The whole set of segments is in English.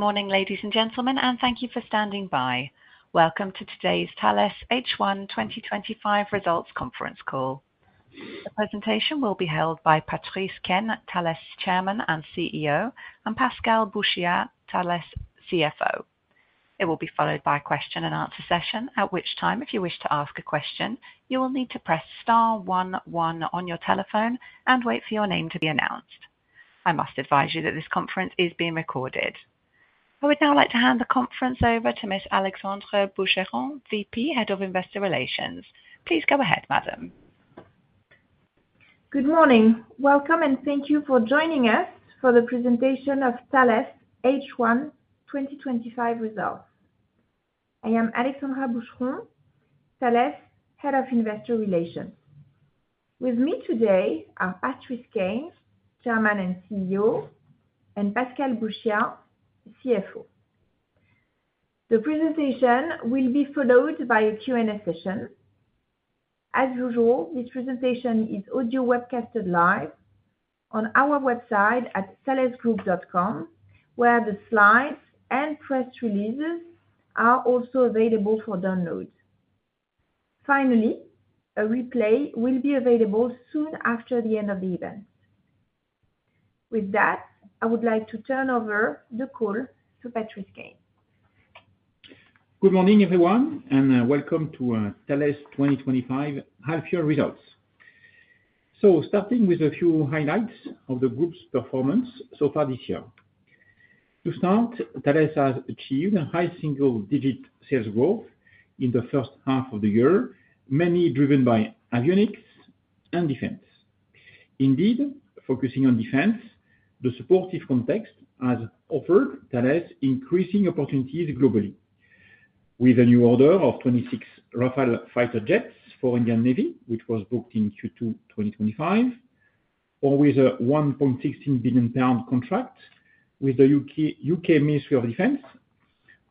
Good morning, ladies and gentlemen, and thank you for standing by. Welcome to today's Thales H1 2025 results conference call. The presentation will be held by Patrice Caine, Thales Chairman and CEO, and Pascal Bouchiat, Thales CFO. It will be followed by a question-and-answer session, at which time, if you wish to ask a question, you will need to press star one one on your telephone and wait for your name to be announced. I must advise you that this conference is being recorded. I would now like to hand the conference over to Miss Alexandra Boucheron, VP, Head of Investor Relations. Please go ahead, madam. Good morning. Welcome, and thank you for joining us for the presentation of Thales H1 2025 results. I am Alexandra Boucheron, Thales Head of Investor Relations. With me today are Patrice Caine, Chairman and CEO, and Pascal Bouchiat, CFO. The presentation will be followed by a Q&A session. As usual, this presentation is audio-webcasted live on our website at thalesgroup.com, where the slides and press releases are also available for download. Finally, a replay will be available soon after the end of the event. With that, I would like to turn over the call to Patrice Caine. Good morning, everyone, and welcome to Thales 2025 healthcare results. Starting with a few highlights of the group's performance so far this year. To start, Thales has achieved a high single-digit sales growth in the first half of the year, mainly driven by Avionics and defense. Indeed, focusing on defense, the supportive context has offered Thales increasing opportunities globally, with a new order of 26 Rafale fighter jets for the Indian Navy, which was booked in Q2 2025, or with a 1.16 billion pound contract with the U.K. Ministry of Defence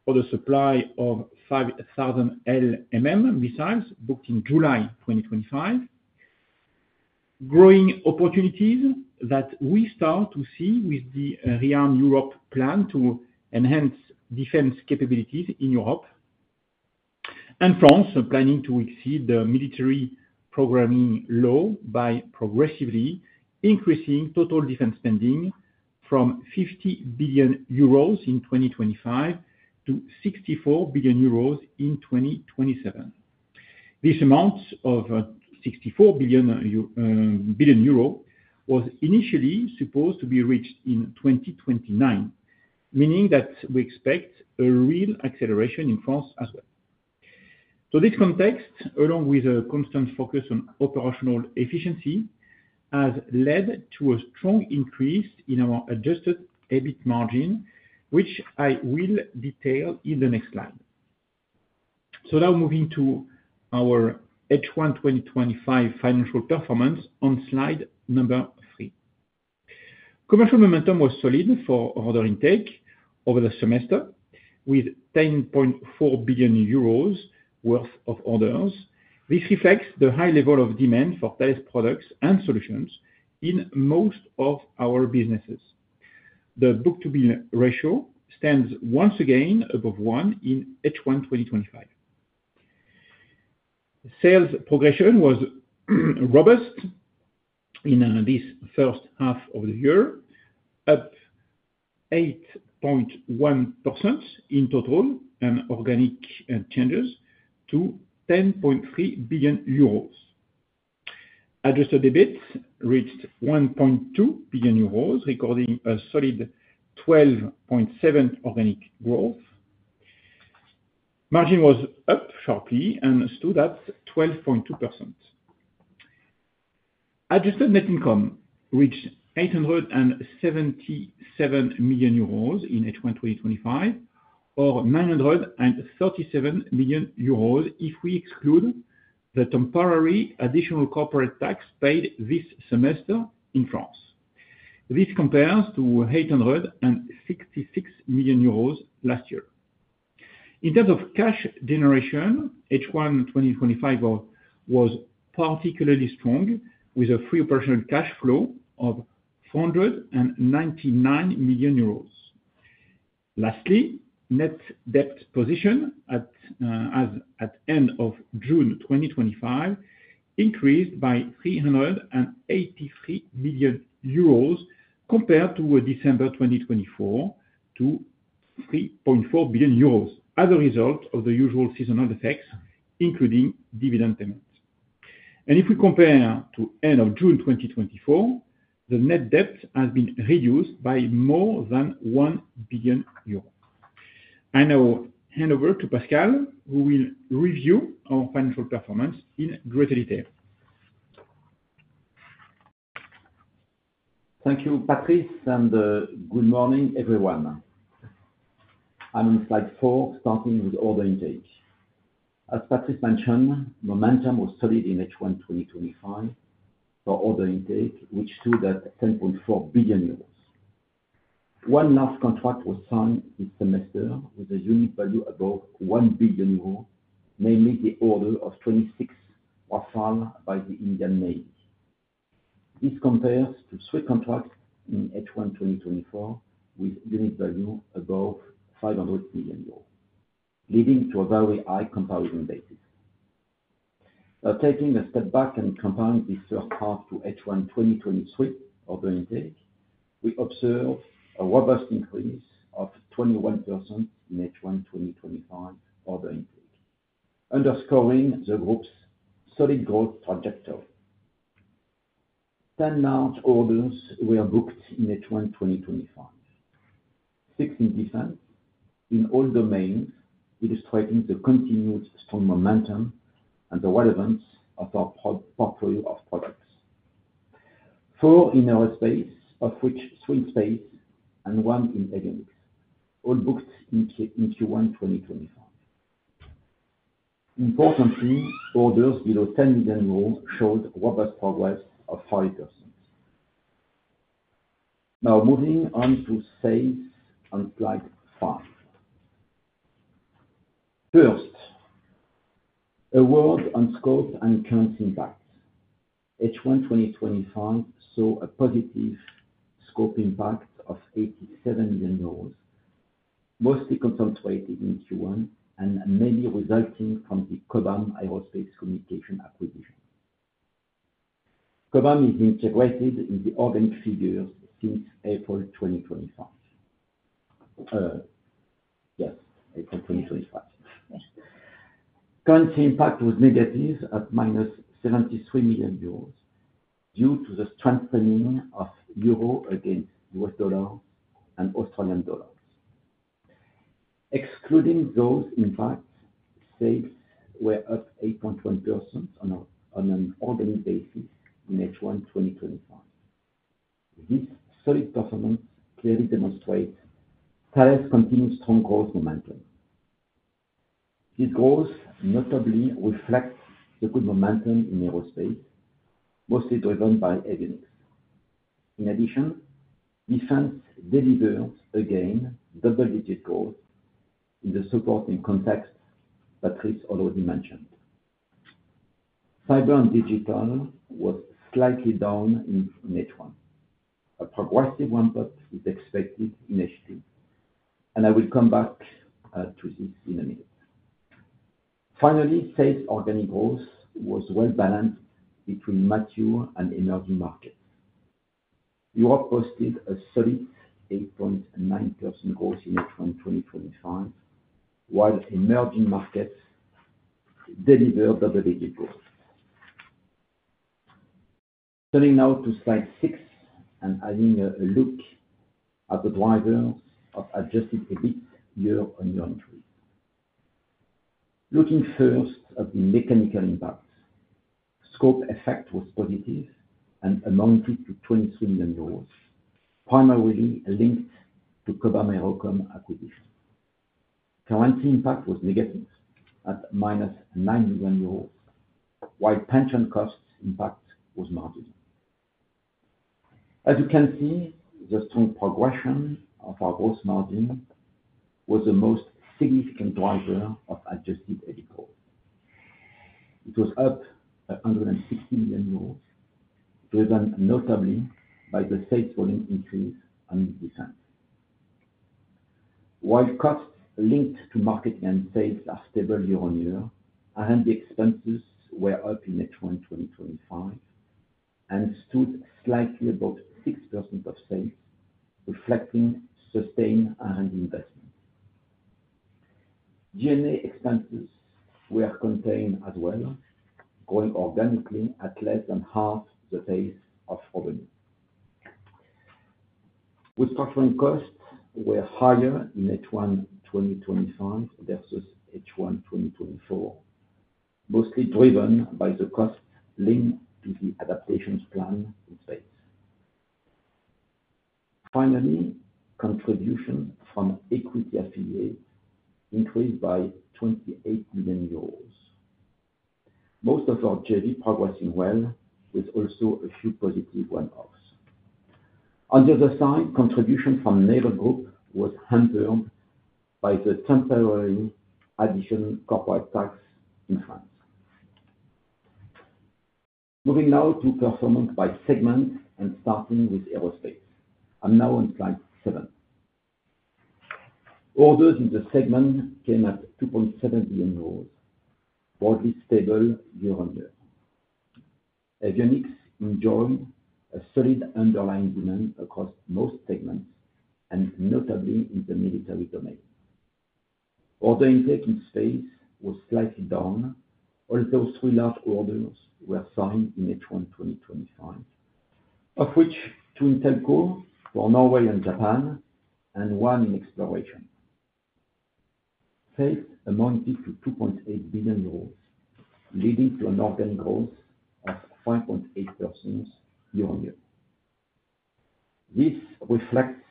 for the supply of 5,000 LMM missiles booked in July 2025. Growing opportunities that we start to see with the ReArm Europe plan to enhance defense capabilities in Europe. France is planning to exceed the military programming law by progressively increasing total defense spending from 50 billion euros in 2025 to 64 billion euros in 2027. This amount of 64 billion euros was initially supposed to be reached in 2029, meaning that we expect a real acceleration in France as well. This context, along with a constant focus on operational efficiency, has led to a strong increase in our adjusted EBIT margin, which I will detail in the next slide. Now moving to our H1 2025 financial performance on slide number three. Commercial momentum was solid for order intake over the semester, with 10.4 billion euros worth of orders. This reflects the high level of demand for Thales products and solutions in most of our businesses. The book-to-bill ratio stands once again above one in H1 2025. Sales progression was robust in this first half of the year, up 8.1% in total and organic changes to 10.3 billion euros. Adjusted EBIT reached 1.2 billion euros, recording a solid 12.7% organic growth. Margin was up sharply and stood at 12.2%. Adjusted net income reached 877 million euros in H1 2025, or 937 million euros if we exclude the temporary additional corporate tax paid this semester in France. This compares to 866 million euros last year. In terms of cash generation, H1 2025 was particularly strong, with a free operational cash flow of 499 million euros. Lastly, net debt position at end of June 2025 increased by 383 million euros compared to December 2024, to 3.4 billion euros as a result of the usual seasonal effects, including dividend payments. If we compare to the end of June 2024, the net debt has been reduced by more than 1 billion euros. I now hand over to Pascal, who will review our financial performance in greater detail. Thank you, Patrice, and good morning, everyone. I'm on slide four, starting with order intake. As Patrice mentioned, momentum was solid in H1 2025. For order intake, which stood at 10.4 billion euros. One last contract was signed this semester with a unit value above 1 billion euros, namely the order of 26 Rafale by the Indian Navy. This compares to three contracts in H1 2024 with unit value above 500 million euros, leading to a very high comparison basis. Taking a step back and comparing this first half to H1 2023 order intake, we observe a robust increase of 21% in H1 2025 order intake, underscoring the group's solid growth trajectory. Ten large orders were booked in H1 2025. Six in defense, in all domains, illustrating the continued strong momentum and the relevance of our portfolio of products. Four in aerospace, of which three in space, and one in Avionics, all booked in Q1 2025. Importantly, orders below 10 million euros showed robust progress of 5%. Now moving on to sales on slide five. First. A word on scope and current impact. H1 2025 saw a positive scope impact of 87 million euros. Mostly concentrated in Q1 and mainly resulting from the Cobham Aerospace Communications acquisition. Cobham is integrated in the organic figures since April 2025. Yes, April 2025. Current impact was negative at 73 million euros. Due to the strengthening of euro against US dollars and Australian dollars. Excluding those impacts, sales were up 8.1% on an organic basis in H1 2025. This solid performance clearly demonstrates Thales' continued strong growth momentum. This growth notably reflects the good momentum in aerospace, mostly driven by Avionics. In addition. Defense delivers again double-digit growth in the supporting contexts Patrice already mentioned. Cyber and Digital was slightly down in H1. A progressive ramp-up is expected in H2, and I will come back to this in a minute. Finally, sales organic growth was well-balanced between mature and emerging markets. Europe posted a solid 8.9% growth in H1 2025, while emerging markets delivered double-digit growth. Turning now to slide six and having a look at the drivers of adjusted EBIT year-on-year increase. Looking first at the mechanical impact, scope effect was positive and amounted to 23 million euros, primarily linked to Cobham Aerospace Communications acquisition. Current impact was negative at -9 million, while pension cost impact was marginal. As you can see, the strong progression of our gross margin was the most significant driver of adjusted EBIT growth. It was up 160 million euros. Driven notably by the sales volume increase and defense. While costs linked to market and sales are stable year-on-year, R&D expenses were up in H1 2025. And stood slightly above 6% of sales, reflecting sustained R&D investment. G&A expenses were contained as well, growing organically at less than half the pace of revenue. Restructuring costs were higher in H1 2025 versus H1 2024. Mostly driven by the costs linked to the adaptation plan in space. Finally, contributions from equity affiliates increased by 28 million euros. Most of our G&A progressing well, with also a few positive one-offs. On the other side, contribution from Naval Group was hampered by the temporary additional corporate tax in France. Moving now to performance by segment and starting with aerospace. I'm now on slide seven. Orders in the segment came at 2.7 billion euros, broadly stable year-on-year. Avionics enjoyed a solid underlying demand across most segments, and notably in the military domain. Order intake in space was slightly down, although three large orders were signed in H1 2025, of which two in telco for Norway and Japan, and one in exploration. Sales amounted to 2.8 billion euros, leading to an organic growth of 5.8% year-on-year. This reflects,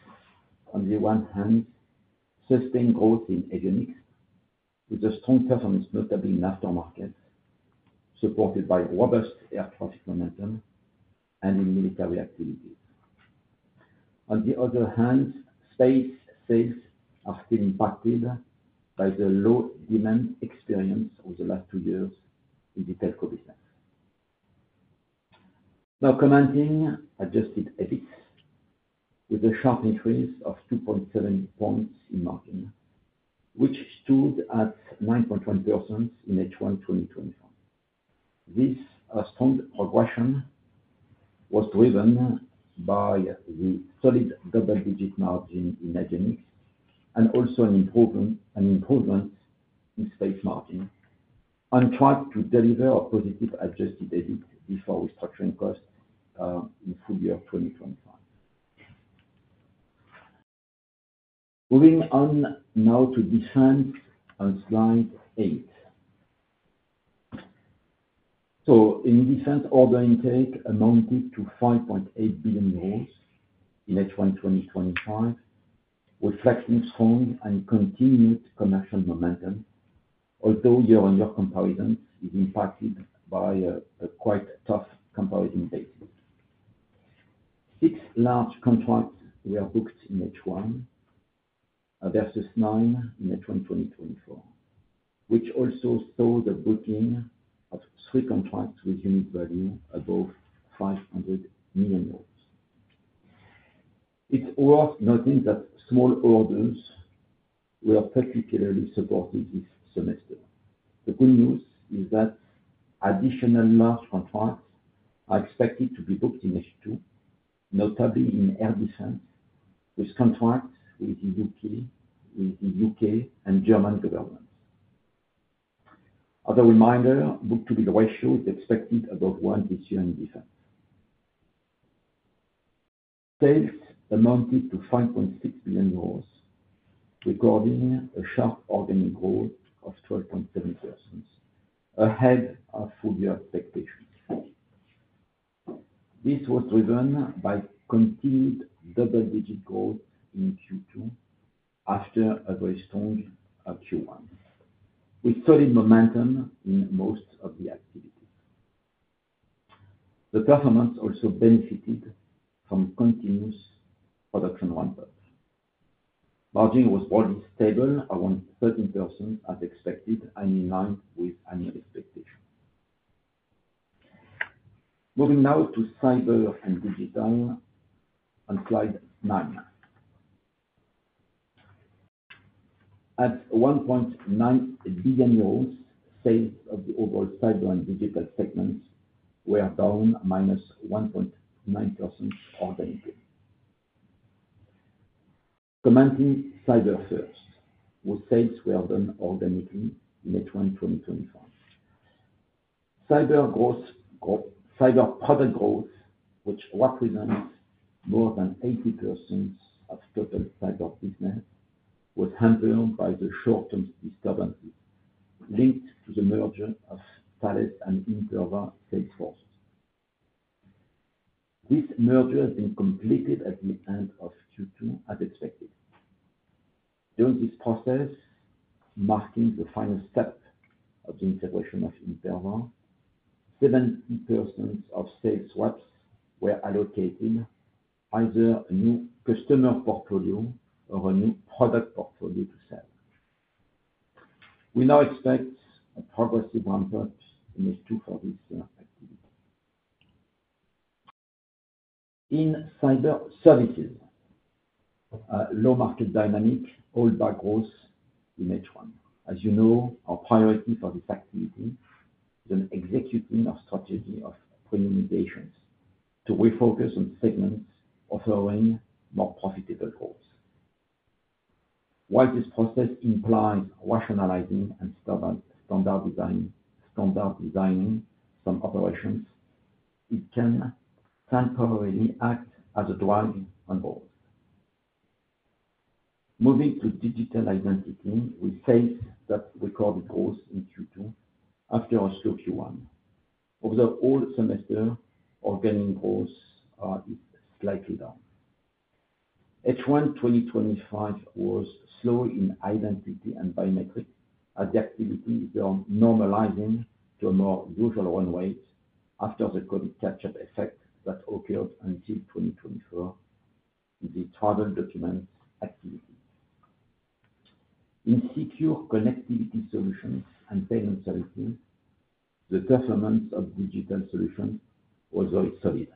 on the one hand, sustained growth in Avionics, with a strong presence notably in aftermarket, supported by robust air traffic momentum and in military activities. On the other hand, space sales are still impacted by the low demand experience of the last two years in the telco business. Now commenting adjusted EBIT with a sharp increase of 2.7 percentage points in margin, which stood at 9.1% in H1 2025. This strong progression was driven by the solid double-digit margin in Avionics and also an improvement in space margin, and tried to deliver a positive adjusted EBIT before restructuring costs in full year 2025. Moving on now to defense on slide eight. In defense, order intake amounted to 5.8 billion euros in H1 2025, reflecting strong and continued commercial momentum, although year-on-year comparison is impacted by a quite tough comparison basis. Six large contracts were booked in H1 versus nine in H1 2024, which also saw the booking of three contracts with unit value above 500 million euros. It's worth noting that small orders were particularly supported this semester. The good news is that additional large contracts are expected to be booked in H2, notably in air defense, with contracts with the U.K. and German governments. As a reminder, book-to-bill ratio is expected above one this year in defense. Sales amounted to 5.6 billion euros, recording a sharp organic growth of 12.7%, ahead of full-year expectations. This was driven by continued double-digit growth in Q2 after a very strong Q1, with solid momentum in most of the activities. The performance also benefited from continuous production ramp-up. Margin was broadly stable around 13% as expected, in line with annual expectations. Moving now to Cyber and Digital on slide nine. At 1.9 billion euros, sales of the overall Cyber and Digital segments were down -1.9% organically. Commenting Cyber first, where sales were down organically in H1 2025. Cyber product growth, which represents more than 80% of total Cyber business, was hampered by the short-term disturbances linked to the merger of Thales and Imperva Salesforce. This merger has been completed at the end of Q2 as expected. During this process, marking the final step of the integration of Imperva, 70% of sales swaps were allocated either a new customer portfolio or a new product portfolio to sell. We now expect a progressive ramp-up in H2 for this activity. In Cyber services, low market dynamic held back growth in H1. As you know, our priority for this activity is an executive strategy of premium mutations to refocus on segments offering more profitable growth. While this process implies rationalizing and standardizing some operations, it can temporarily act as a drag on growth. Moving to digital identity, we face that recorded growth in Q2 after a slow Q1. Over the whole semester, organic growth is slightly down. H1 2025 was slow in identity and biometrics, as the activities were normalizing to a more usual run rate after the COVID catch-up effect that occurred until 2024 in the travel document activities. In secure connectivity solutions and payment services, the performance of digital solutions was very solid,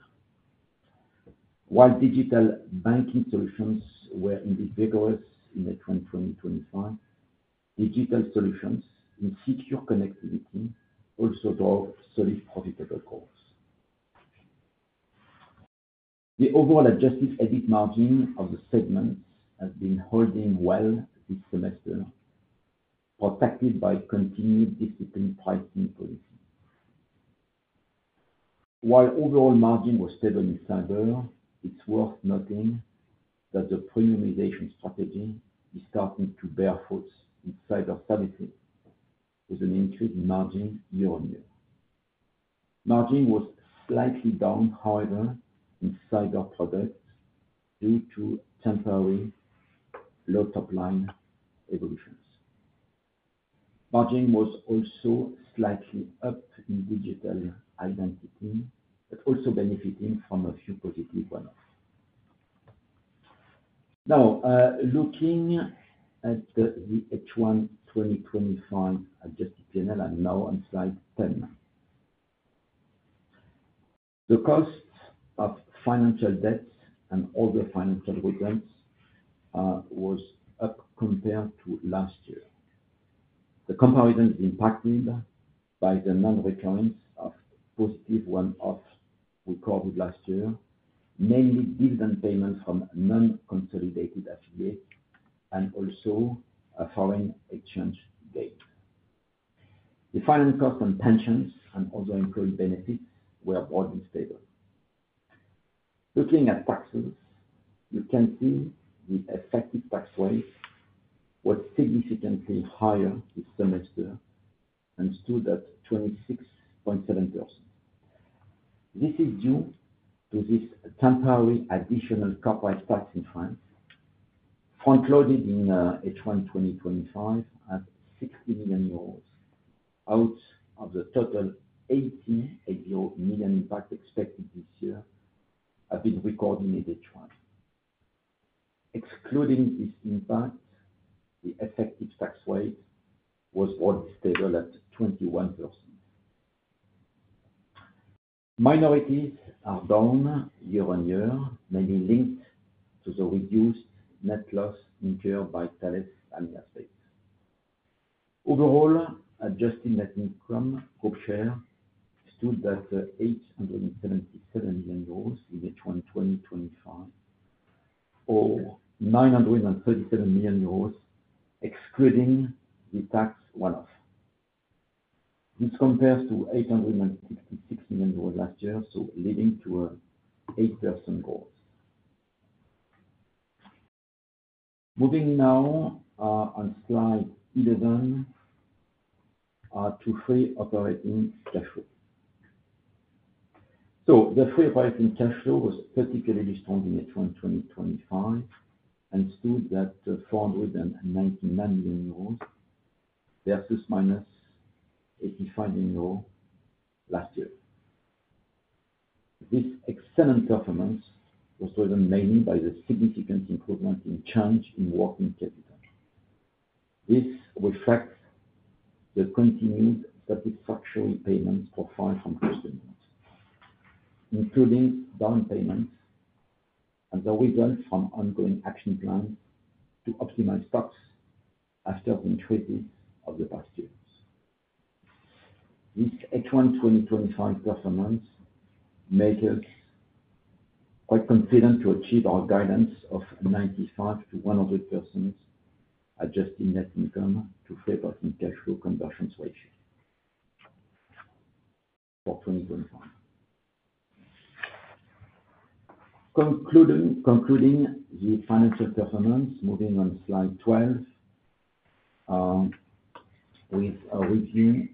while digital banking solutions were indeed vigorous in H1 2025. Digital solutions in secure connectivity also drove solid profitable growth. The overall adjusted EBIT margin of the segments has been holding well this semester, protected by continued disciplined pricing policy. While overall margin was stable in Cyber, it is worth noting that the premiumization strategy is starting to bear fruit in Cyber services with an increase in margin year-on-year. Margin was slightly down, however, in Cyber products due to temporary low top-line evolutions. Margin was also slightly up in digital identity, but also benefiting from a few positive one-offs. Now, looking at the H1 2025 adjusted P&L, I am now on slide 10. The cost of financial debts and all the financial returns was up compared to last year. The comparison is impacted by the non-recurrence of positive one-offs we called last year, mainly dividend payments from non-consolidated affiliates and also a foreign exchange gain. The final cost on pensions and other employee benefits were broadly stable. Looking at taxes, you can see the effective tax rate was significantly higher this semester and stood at 26.7%. This is due to this temporary additional corporate tax in France, front-loaded in H1 2025 at 60 million euros. Out of the total 80 million impact expected this year, EUR 60 million have been recorded in H1. Excluding this impact, the effective tax rate was broadly stable at 21%. Minorities are down year-on-year, mainly linked to the reduced net loss incurred by Thales in airspace. Overall, adjusted net income per share stood at 877 million euros in H1 2025, or 937 million euros excluding the tax one-off. This compares to 866 million euros last year, so leading to an 8% growth. Moving now on slide 11 to free operating cash flow. The free operating cash flow was particularly strong in H1 2025 and stood at 499 million euros versus minus 85 million euros last year. This excellent performance was driven mainly by the significant improvement in change in working capital. This reflects the continued satisfactory payments profile from customers, including down payments, as a result from ongoing action plans to optimize stocks after the intricacies of the past years. This H1 2025 performance makes us. Quite confident to achieve our guidance of 95%-100% adjusted net income to free operating cash flow conversion ratio for 2025. Concluding the financial performance, moving on slide 12 with a review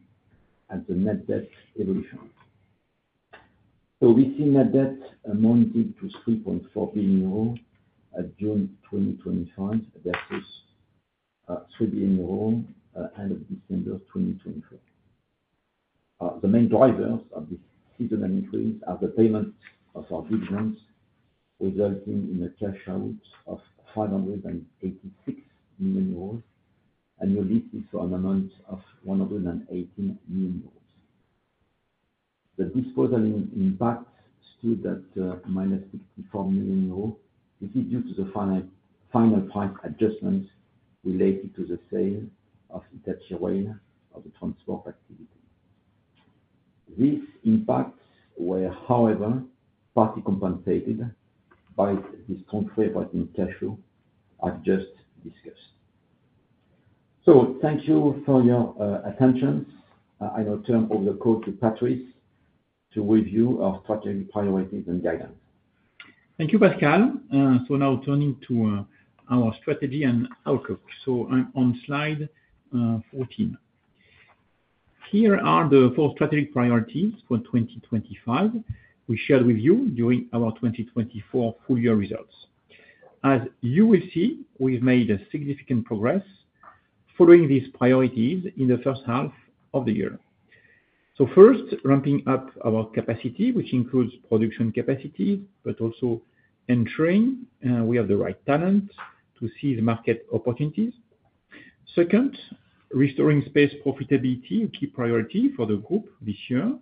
at the net debt evolution. We see net debt amounting to 3.4 billion euro at June 2025 versus 3 billion euro at the end of December 2024. The main drivers of this seasonal increase are the payments of our dividends, resulting in a cash out of 586 million euros, annually for an amount of 118 million euros. The disposal impact stood at minus 64 million euros. This is due to the final price adjustments related to the sale of Hitachi Rail as a transport activity. These impacts were, however, partly compensated by the strong free operating cash flow I have just discussed. Thank you for your attention. I now turn over the call to Patrice to review our strategic priorities and guidance. Thank you, Pascal. Now turning to our strategy and outlook. I am on slide 14. Here are the four strategic priorities for 2025 we shared with you during our 2024 full-year results. As you will see, we have made significant progress following these priorities in the first half of the year. First, ramping up our capacity, which includes production capacities, but also ensuring we have the right talent to seize market opportunities. Second, restoring space profitability, a key priority for the group this year.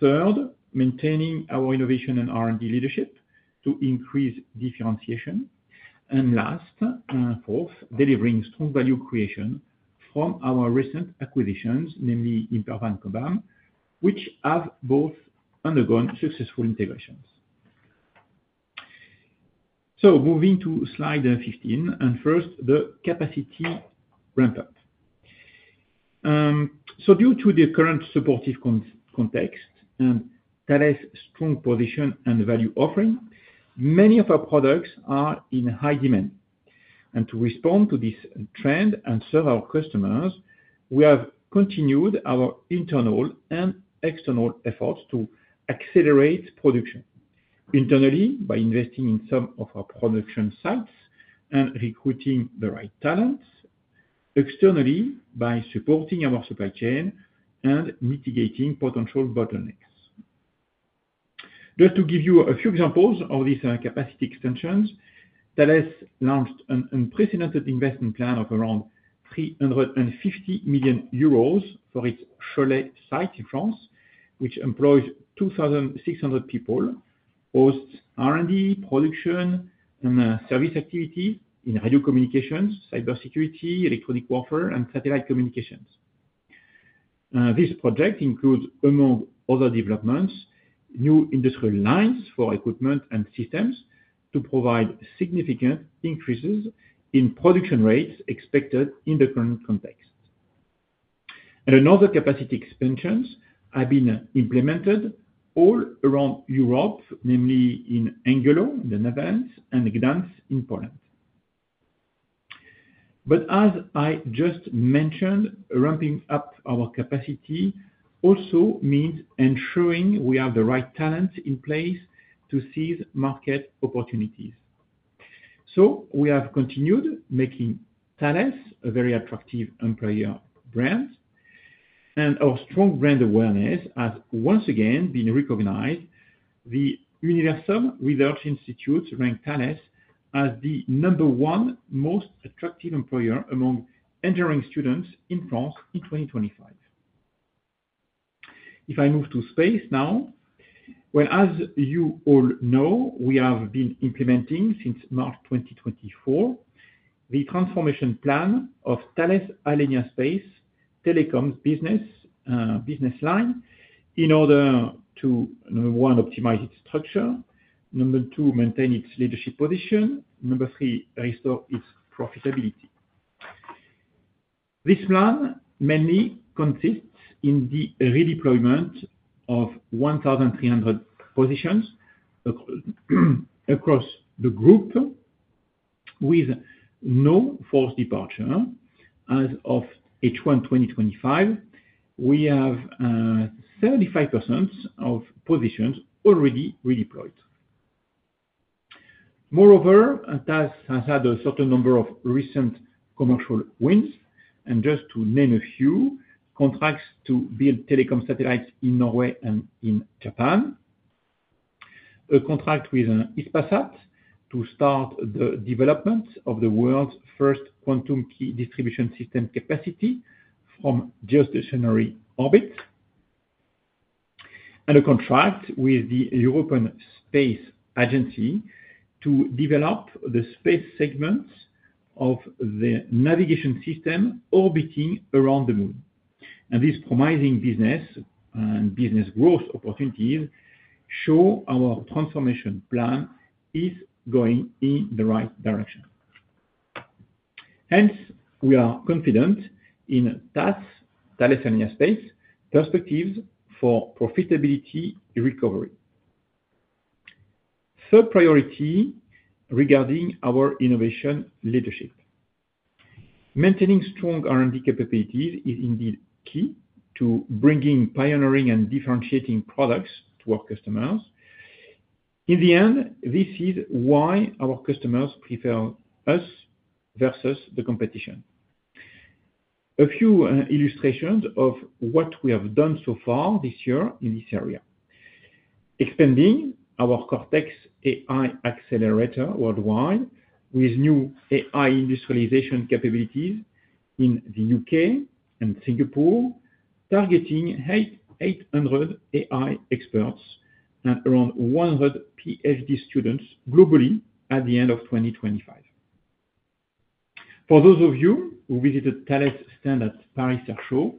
Third, maintaining our innovation and R&D leadership to increase differentiation. Last, fourth, delivering strong value creation from our recent acquisitions, namely Imperva and Cobham, which have both undergone successful integrations. Moving to slide 15, and first, the capacity ramp-up. Due to the current supportive context and Thales' strong position and value offering, many of our products are in high demand. To respond to this trend and serve our customers, we have continued our internal and external efforts to accelerate production. Internally, by investing in some of our production sites and recruiting the right talents. Externally, by supporting our supply chain and mitigating potential bottlenecks. Just to give you a few examples of these capacity extensions, Thales launched an unprecedented investment plan of around 350 million euros for its Cholet site in France, which employs 2,600 people, hosts R&D, production, and service activities in radio communications, Cybersecurity, electronic warfare, and satellite communications. This project includes, among other developments, new industrial lines for equipment and systems to provide significant increases in production rates expected in the current context. Another capacity expansion has been implemented all around Europe, namely in Angulo, the Netherlands, and Gdańsk in Poland. As I just mentioned, ramping up our capacity also means ensuring we have the right talent in place to seize market opportunities. We have continued making Thales a very attractive employer brand, and our strong brand awareness has once again been recognized. The Universal Research Institute ranks Thales as the number one most attractive employer among engineering students in France in 2025. If I move to space now. As you all know, we have been implementing since March 2024 the transformation plan of Thales Alenia Space Telecom's business line in order to, number one, optimize its structure, number two, maintain its leadership position, number three, restore its profitability. This plan mainly consists in the redeployment of 1,300 positions across the group, with no forced departure as of H1 2025. We have 75% of positions already redeployed. Moreover, Thales has had a certain number of recent commercial wins. Just to name a few, contracts to build telecom satellites in Norway and in Japan, a contract with Hispasat to start the development of the world's first quantum key distribution system capacity from geostationary orbit, and a contract with the European Space Agency to develop the space segments of the navigation system orbiting around the moon. These promising business and business growth opportunities show our transformation plan is going in the right direction. Hence, we are confident in Thales Alenia Space's perspectives for profitability recovery. Third priority regarding our innovation leadership. Maintaining strong R&D capabilities is indeed key to bringing pioneering and differentiating products to our customers. In the end, this is why our customers prefer us versus the competition. A few illustrations of what we have done so far this year in this area: expanding our Cortex AI accelerator worldwide with new AI industrialization capabilities in the U.K. and Singapore, targeting 800 AI experts and around 100 PhD students globally at the end of 2025. For those of you who visited Thales' stand at Paris Air Show,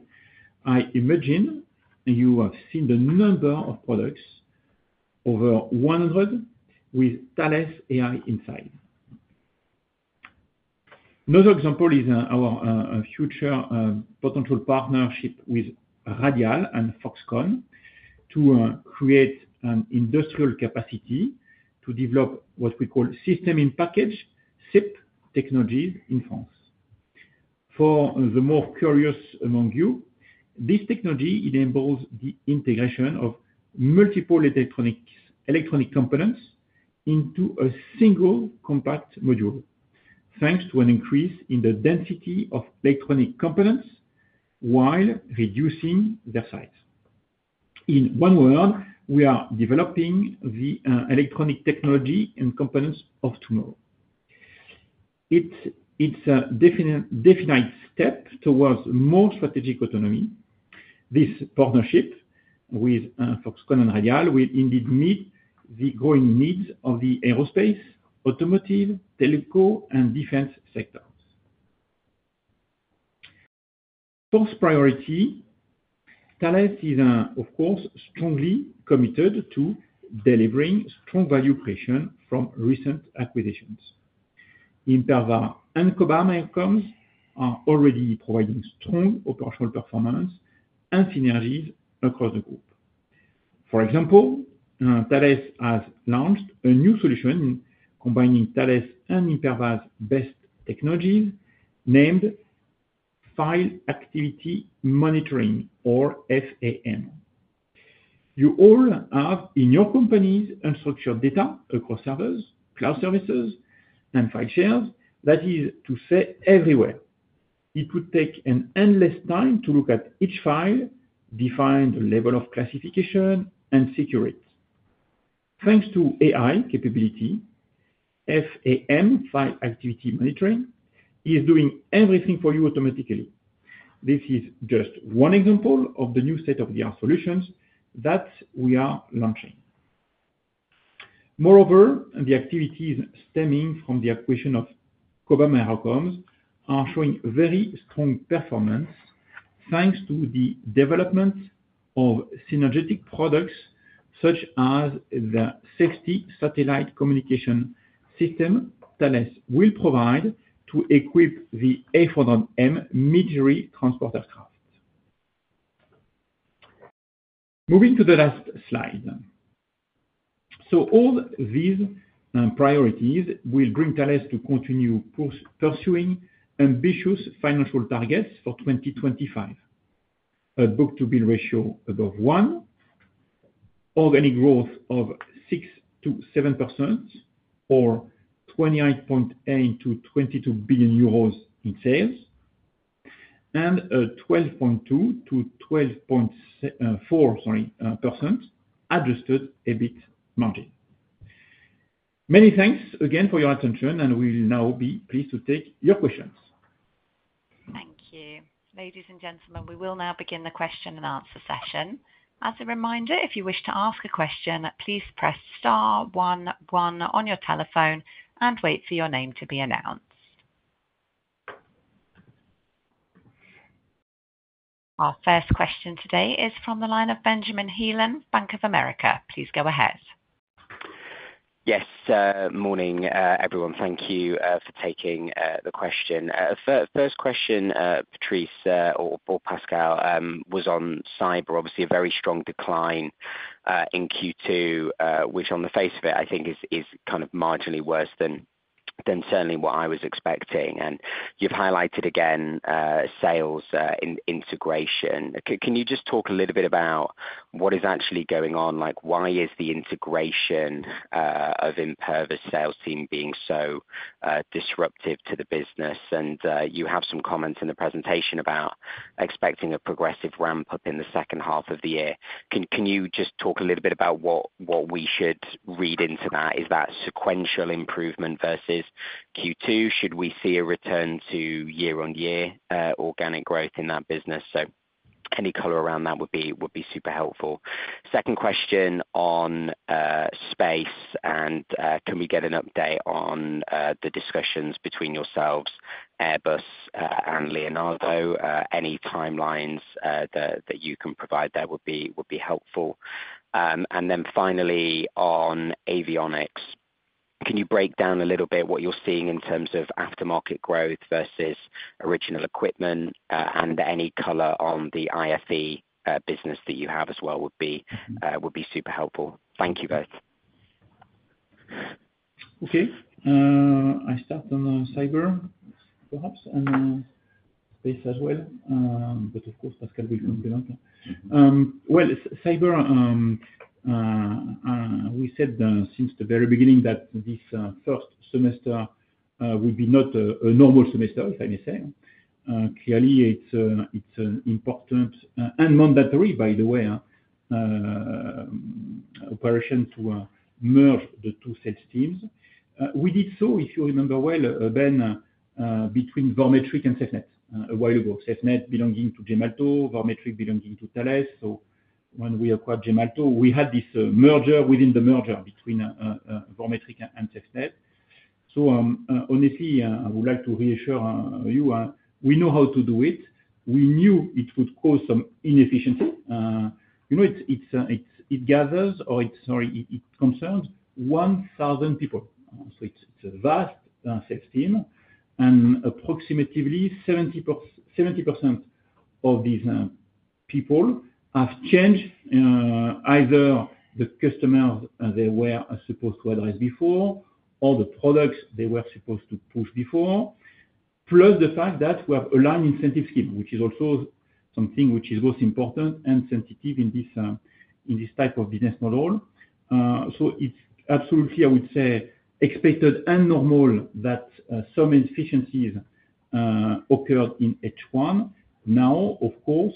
I imagine you have seen the number of products, over 100 with Thales AI inside. Another example is our future potential partnership with Radiall and FoxConn to create an industrial capacity to develop what we call system-in-package SIP technologies in France. For the more curious among you, this technology enables the integration of multiple electronic components into a single compact module, thanks to an increase in the density of electronic components while reducing their size. In one word, we are developing the electronic technology and components of tomorrow. It's a definite step towards more strategic autonomy. This partnership with FoxConn and Radiall will indeed meet the growing needs of the aerospace, automotive, telecom, and defense sectors. Fourth priority. Thales is, of course, strongly committed to delivering strong value creation from recent acquisitions. Imperva and Cobham outcomes are already providing strong operational performance and synergies across the group. For example, Thales has launched a new solution combining Thales and Imperva's best technologies named File Activity Monitoring, or FAM. You all have in your companies unstructured data across servers, cloud services, and file shares, that is to say everywhere. It would take an endless time to look at each file, define the level of classification, and secure it. Thanks to AI capability, FAM, File Activity Monitoring, is doing everything for you automatically. This is just one example of the new state-of-the-art solutions that we are launching. Moreover, the activities stemming from the acquisition of Cobham and Outcomes are showing very strong performance thanks to the development of synergetic products such as the safety satellite communication system Thales will provide to equip the A400M military transport aircraft. Moving to the last slide. All these priorities will bring Thales to continue pursuing ambitious financial targets for 2025. A book-to-bill ratio above one, organic growth of 6%-7%, or 18.8 billion-22 billion euros in sales, and a 12.2%-12.4% adjusted EBIT margin. Many thanks again for your attention, and we will now be pleased to take your questions. Thank you. Ladies and gentlemen, we will now begin the question and answer session. As a reminder, if you wish to ask a question, please press star 11 on your telephone and wait for your name to be announced. Our first question today is from the line of Benjamin Heelan, Bank of America. Please go ahead. Yes. Morning, everyone. Thank you for taking the question. First question, Patrice or Pascal, was on Cyber. Obviously, a very strong decline in Q2, which on the face of it, I think, is kind of marginally worse than certainly what I was expecting. You have highlighted again sales integration. Can you just talk a little bit about what is actually going on? Why is the integration of Imperva's sales team being so disruptive to the business? You have some comments in the presentation about expecting a progressive ramp-up in the second half of the year. Can you just talk a little bit about what we should read into that? Is that sequential improvement versus Q2? Should we see a return to year-on-year organic growth in that business? Any color around that would be super helpful. Second question on space. Can we get an update on the discussions between yourselves, Airbus, and Leonardo? Any timelines that you can provide there would be helpful. Finally, on Avionics, can you break down a little bit what you're seeing in terms of aftermarket growth versus original equipment? Any color on the IFE business that you have as well would be super helpful. Thank you both. Okay. I start on Cyber, perhaps, and space as well. Of course, Pascal will complement. Cyber, we said since the very beginning that this first semester would be not a normal semester, if I may say. Clearly, it's an important and mandatory, by the way, operation to merge the two sales teams. We did so, if you remember well, Ben, between Vormetric and SafeNet, a while ago. SafeNet belonging to Gemalto, Vormetric belonging to Thales. When we acquired Gemalto, we had this merger within the merger between Vormetric and SafeNet. Honestly, I would like to reassure you, we know how to do it. We knew it would cause some inefficiency. It concerns 1,000 people, so it's a vast sales team. Approximately 70% of these people. Have changed. Either the customers they were supposed to address before or the products they were supposed to push before. Plus the fact that we have aligned incentive scheme, which is also something which is both important and sensitive in this type of business model. It is absolutely, I would say, expected and normal that some inefficiencies occurred in H1. Now, of course,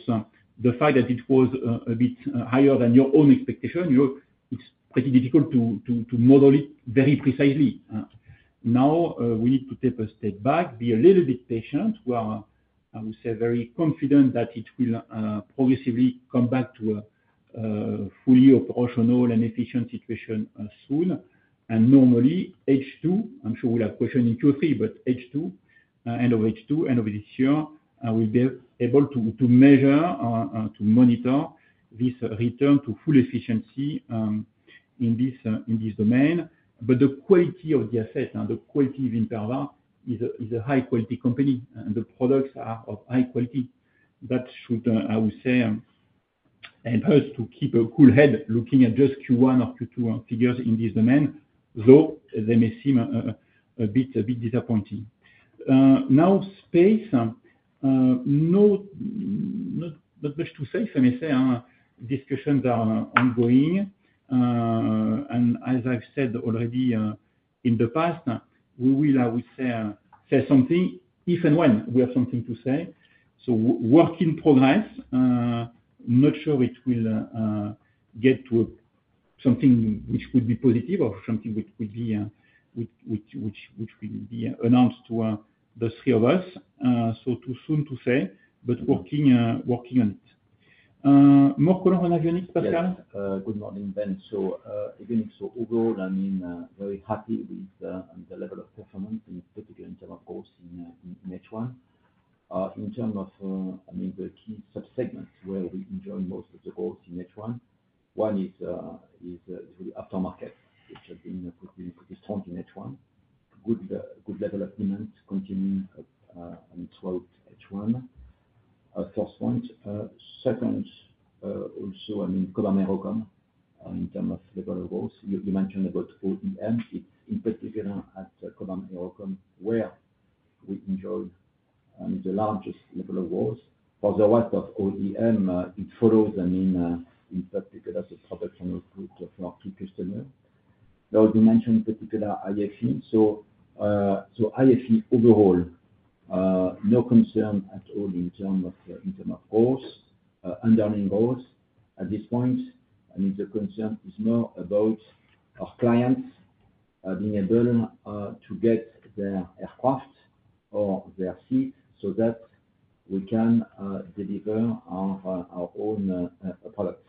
the fact that it was a bit higher than your own expectation, it's pretty difficult to model it very precisely. Now, we need to take a step back, be a little bit patient. We are, I would say, very confident that it will progressively come back to a fully operational and efficient situation soon. Normally, H2, I'm sure we'll have questions in Q3, but H2, end of H2, end of this year, we'll be able to measure, to monitor this return to full efficiency in this domain. The quality of the asset and the quality of Imperva is a high-quality company. The products are of high quality. That should, I would say, help us to keep a cool head looking at just Q1 or Q2 figures in this domain, though they may seem a bit disappointing. Now, space. Not much to say, if I may say. Discussions are ongoing. As I've said already in the past, we will, I would say, say something if and when we have something to say. Work in progress. Not sure it will get to something which would be positive or something which will be announced to the three of us. Too soon to say, but working on it. More color on Avionics, Pascal? Yes. Good morning, Ben. Avionics, so overall, I mean, very happy with the level of performance, particularly in terms of goals in H1. In terms of, I mean, the key subsegments where we enjoy most of the goals in H1, one is aftermarket, which has been pretty strong in H1. Good level of demand continuing throughout H1. First point. Second. Also, I mean, Cobham and Imperva. In terms of level of goals. You mentioned about OEM. It's in particular at Cobham and Imperva where we enjoyed the largest level of goals. For the rest of OEM, it follows, I mean, in particular, the production output for our key customers. I already mentioned particular IFE. IFE overall. No concern at all in terms of goals, underlying goals at this point. The concern is more about our clients being able to get their aircraft or their seats so that we can deliver our own products.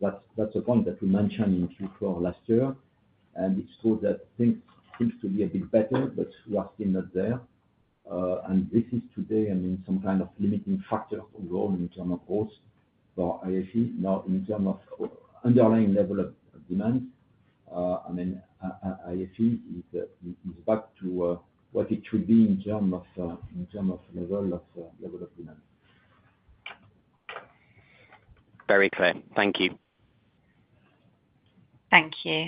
That's a point that we mentioned in Q4 last year. It's true that things seem to be a bit better, but we are still not there. This is today, I mean, some kind of limiting factor overall in terms of goals for IFE. Now, in terms of underlying level of demand. I mean, IFE is back to what it should be in terms of level of demand. Very clear. Thank you. Thank you.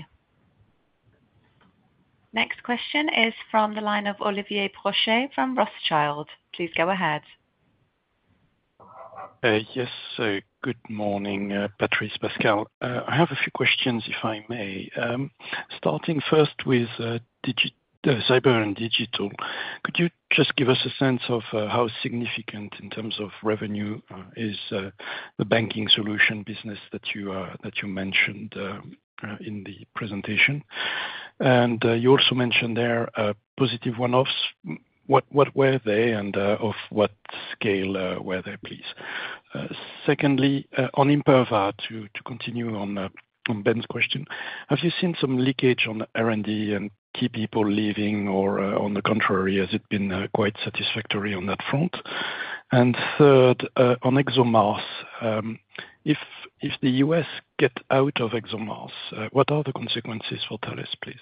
Next question is from the line of Olivier Brochet from Rothschild. Please go ahead. Yes. Good morning, Patrice, Pascal. I have a few questions, if I may. Starting first with Cyber and Digital, could you just give us a sense of how significant, in terms of revenue, is the banking solution business that you mentioned in the presentation? And you also mentioned there positive one-offs. What were they, and of what scale were they, please? Secondly, on Imperva, to continue on Ben's question, have you seen some leakage on R&D and key people leaving, or on the contrary, has it been quite satisfactory on that front? Third, on ExoMars, if the U.S. gets out of ExoMars, what are the consequences for Thales, please?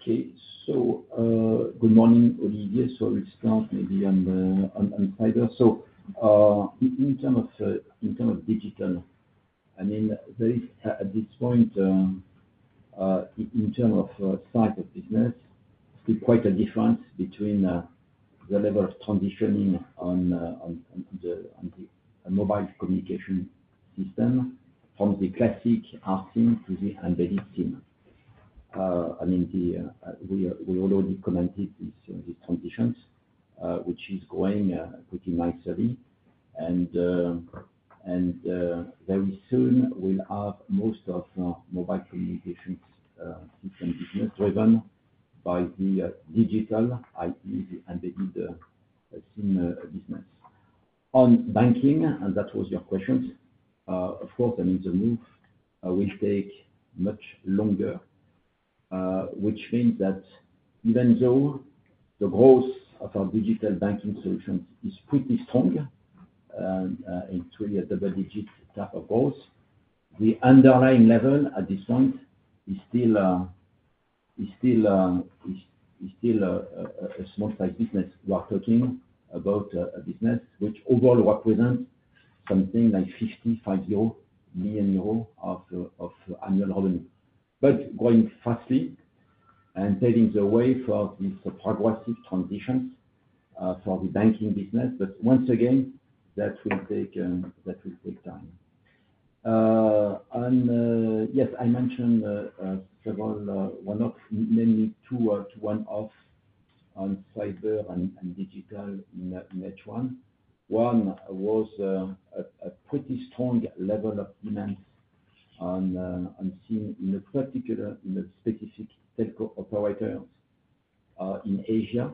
Okay. Good morning, Olivier. We will start maybe on Cyber. In terms of digital, I mean, at this point, in terms of size of business, it's quite a difference between the level of transitioning on the mobile communication system from the classic eSIM to the embedded SIM. I mean, we already commented on these transitions, which is growing pretty nicely. Very soon, we will have most of our mobile communications systems driven by the digital, i.e., the embedded SIM business. On banking, that was your question. Of course, I mean, the move will take much longer, which means that even though the growth of our digital banking solutions is pretty strong, and it's really a double-digit type of growth, the underlying level at this point is still a small-sized business. We are talking about a business which overall represents something like 55 million euros of annual revenue, but growing fastly and paving the way for these progressive transitions for the banking business. Once again, that will take time. Yes, I mentioned several one-offs, mainly two one-offs, on Cyber and Digital in H1. One was a pretty strong level of demand on SIM in a particular specific telco operator in Asia.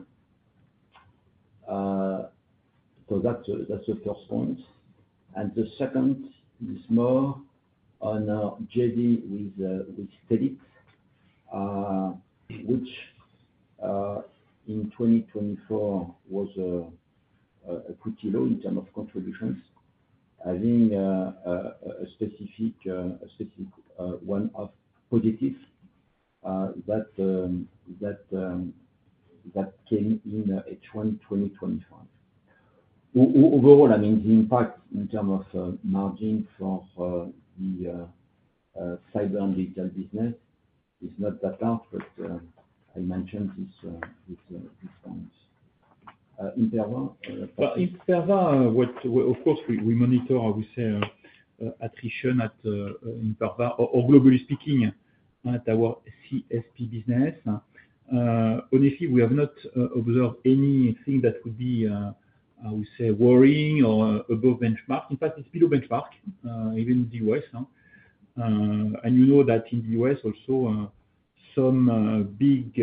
That's the first point. The second is more on JD with Telit, which in 2024 was pretty low in terms of contributions, having a specific one-off positive that came in H1 2024. Overall, I mean, the impact in terms of margin for the Cyber and Digital business is not that large, but I mentioned this point. Imperva, Patrice? Imperva, of course, we monitor, I would say, attrition at Imperva, or globally speaking, at our CSP business. Honestly, we have not observed anything that would be, I would say, worrying or above benchmark. In fact, it's below benchmark, even in the U.S. You know that in the U.S., also, some big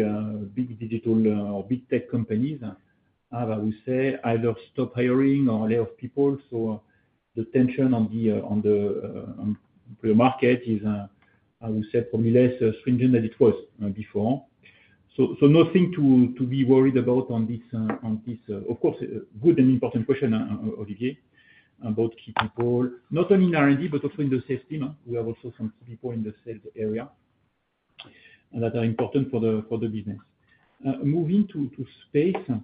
digital or big tech companies have, I would say, either stopped hiring or laid off people. The tension on the market is, I would say, probably less stringent than it was before. So nothing to be worried about on this. Of course, good and important question, Olivier, about key people, not only in R&D, but also in the sales team. We have also some key people in the sales area that are important for the business. Moving to space.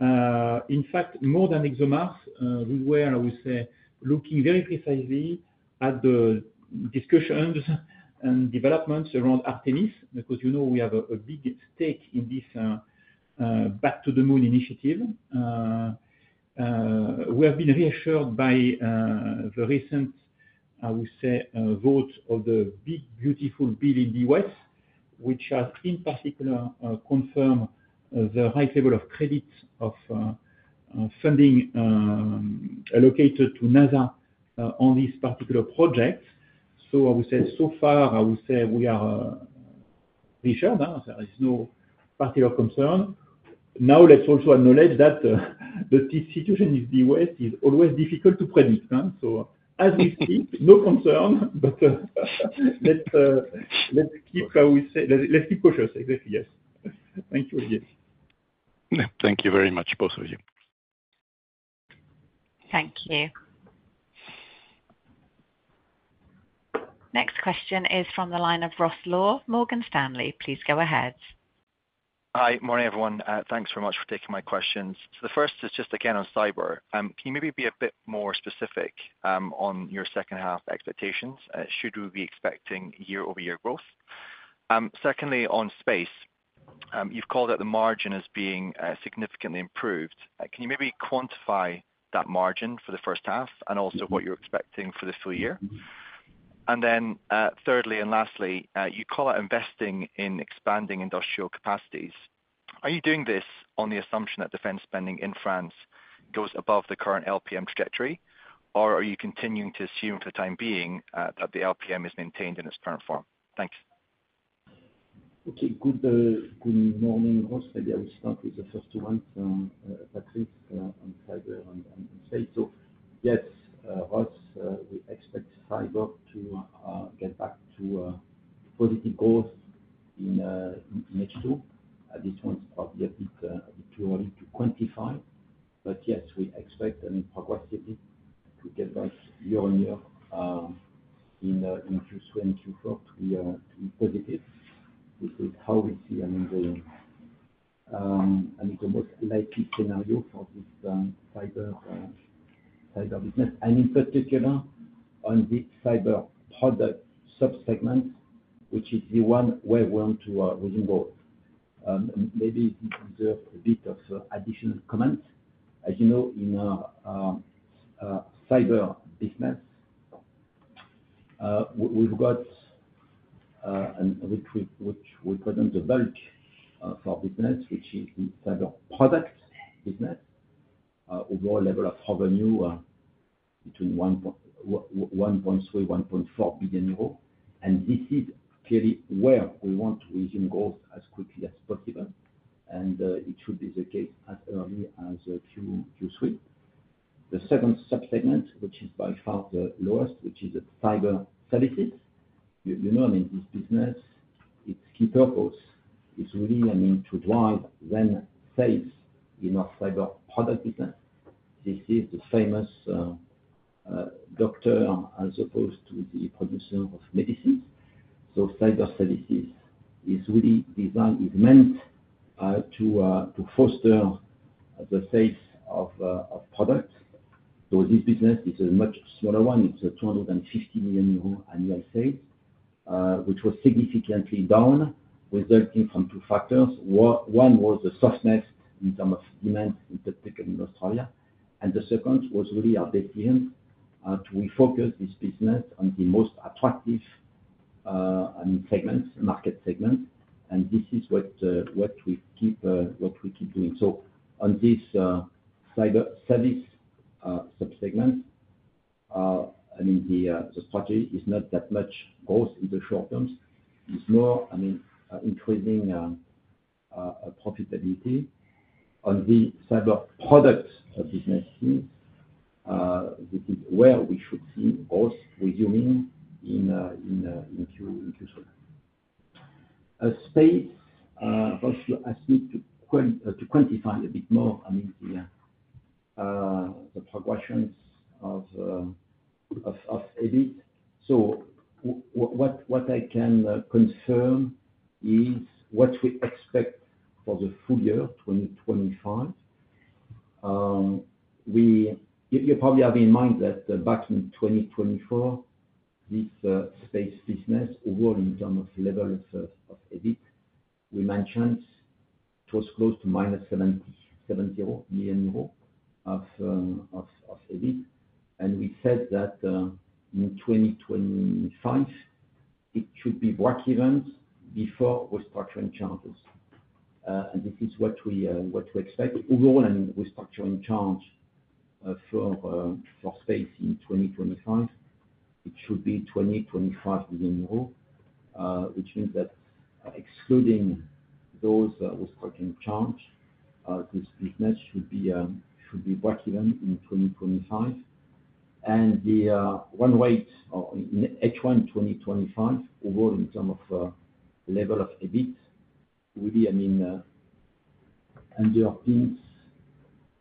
In fact, more than ExoMars, we were, I would say, looking very precisely at the discussions and developments around Artemis, because you know we have a big stake in this Back to the Moon initiative. We have been reassured by the recent, I would say, vote of the Big Beautiful Bill in the U.S., which has, in particular, confirmed the right level of credit of funding allocated to NASA on this particular project. I would say, so far, we are reassured. There is no particular concern. Now, let's also acknowledge that the situation in the U.S. is always difficult to predict. As we speak, no concern, but let's keep, I would say, let's keep cautious. Exactly. Yes. Thank you, Olivier. Thank you very much, both of you. Thank you. Next question is from the line of Ross Law, Morgan Stanley. Please go ahead. Hi. Morning, everyone. Thanks very much for taking my questions. The first is just, again, on Cyber. Can you maybe be a bit more specific on your second-half expectations? Should we be expecting year-over-year growth? Secondly, on space. You've called out the margin as being significantly improved. Can you maybe quantify that margin for the first half and also what you're expecting for the full year? And then thirdly and lastly, you call out investing in expanding industrial capacities. Are you doing this on the assumption that defense spending in France goes above the current LPM trajectory, or are you continuing to assume for the time being that the LPM is maintained in its current form? Thanks. Okay. Good morning, Ross. Maybe I will start with the first one, Patrice, on Cyber and sales. Yes, Ross, we expect Cyber to get back to positive growth in H2. This one's probably a bit too early to quantify. But yes, we expect, I mean, progressively to get back year on year. In Q3 and Q4 to be positive. This is how we see, I mean, the most likely scenario for this Cyber business. In particular, on the Cyber product subsegment, which is the one where we want to resume growth. Maybe this deserves a bit of additional comment. As you know, in Cyber business, we've got, which represents the bulk of our business, which is the Cyber product business, overall level of revenue between 1.3 billion-1.4 billion euros. This is clearly where we want to resume growth as quickly as possible, and it should be the case as early as Q3. The second subsegment, which is by far the lowest, which is Cyber services. You know, I mean, this business, it's key purpose. It's really, I mean, to drive then sales in our Cyber product business. This is the famous doctor as opposed to the producer of medicines. Cyber services is really designed, is meant to foster the sales of products. This business is a much smaller one. It's 250 million euro annual sales, which was significantly down, resulting from two factors. One was the softness in terms of demand, in particular in Australia. The second was really our decision to refocus this business on the most attractive segment, market segment. This is what we keep doing. On this Cyber service subsegment, I mean, the strategy is not that much growth in the short term. It's more, I mean, increasing profitability on the Cyber product business. This is where we should see growth resuming in Q3. Space. Ross asked me to quantify a bit more, I mean, the progressions of EBIT. What I can confirm is what we expect for the full year 2025. You probably have in mind that back in 2024, this space business, overall in terms of level of EBIT, we mentioned it was close to -70 million euros of EBIT. We said that in 2025 it should be work event before restructuring charges. This is what we expect. Overall, I mean, restructuring charge for space in 2025, it should be 20 million-25 million euros, which means that excluding those restructuring charge, this business should be work event in 2025. The one weight in H1 2025, overall in terms of level of EBIT, really, I mean, underpins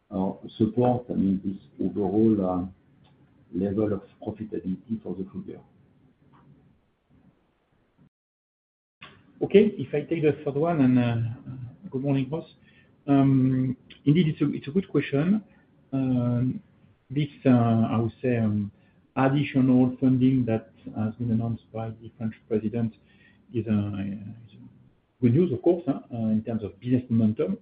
or supports, I mean, this overall level of profitability for the full year. Okay. If I take the third one and good morning, Roth. Indeed, it's a good question. This, I would say, additional funding that has been announced by the French president is good news, of course, in terms of business momentum,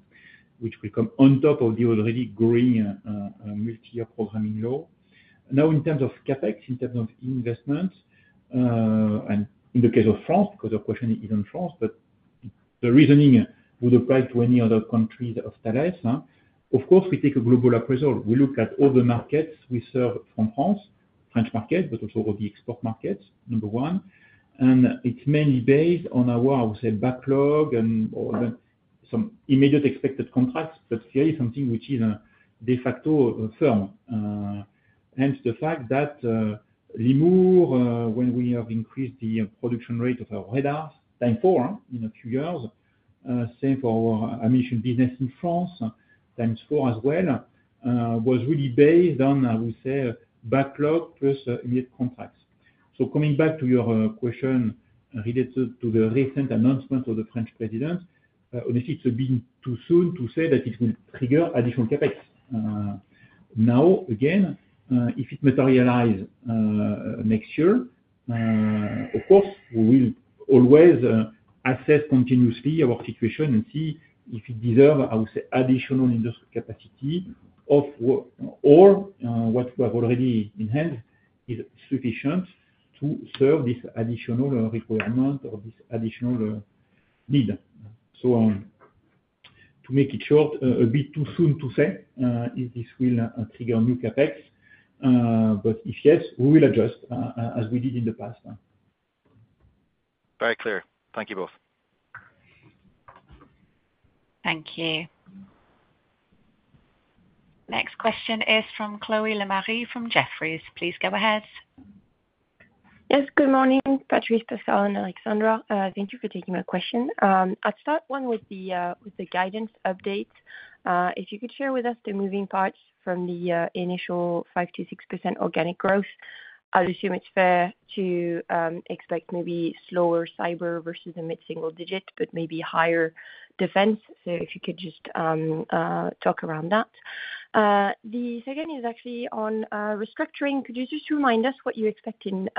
which will come on top of the already growing multi-year programming law. Now, in terms of CapEx, in terms of investment, and in the case of France, because the question is on France, but the reasoning would apply to any other countries of Thales. Of course, we take a global appraisal. We look at all the markets we serve from France, French market, but also all the export markets, number one. It's mainly based on our, I would say, backlog and some immediate expected contracts, but clearly something which is de facto firm. Hence the fact that Limour, when we have increased the production rate of our radars, times four in a few years, same for our ammunition business in France, times four as well, was really based on, I would say, backlog plus immediate contracts. Coming back to your question related to the recent announcement of the French president, honestly, it's a bit too soon to say that it will trigger additional CapEx. Now, again, if it materializes next year. Of course, we will always assess continuously our situation and see if it deserves, I would say, additional industrial capacity or what we have already in hand is sufficient to serve this additional requirement or this additional need. To make it short, a bit too soon to say if this will trigger new CapEx. If yes, we will adjust as we did in the past. Very clear. Thank you both. Thank you. Next question is from Chloé Lemarié from Jefferies. Please go ahead. Yes. Good morning, Patrice, Pascal and Alexandra. Thank you for taking my question. I'll start with the guidance update. If you could share with us the moving parts from the initial 5%-6% organic growth, I would assume it's fair to expect maybe slower Cyber versus a mid-single digit, but maybe higher defense. If you could just talk around that. The second is actually on restructuring. Could you just remind us what you expect in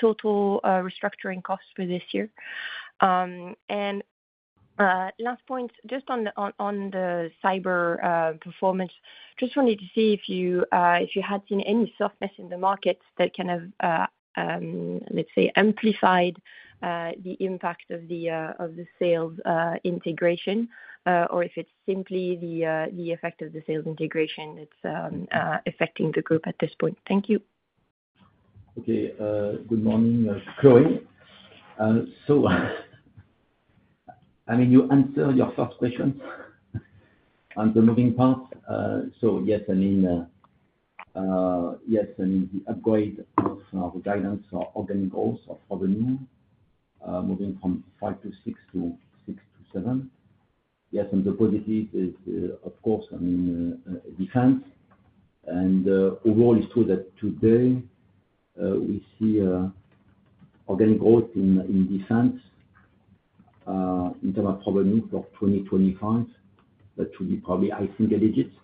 total restructuring costs for this year? Last point, just on the Cyber performance, just wanted to see if you had seen any softness in the markets that kind of, let's say, amplified the impact of the sales integration, or if it's simply the effect of the sales integration that's affecting the group at this point. Thank you. Okay. Good morning, Chloé. I mean, you answered your first question on the moving parts. Yes, the upgrade of the guidance for organic growth of revenue, moving from 5%-6% to 6-7%. The positive is, of course, defense. Overall, it's true that today we see organic growth in defense in terms of revenue for 2025, probably high single digits.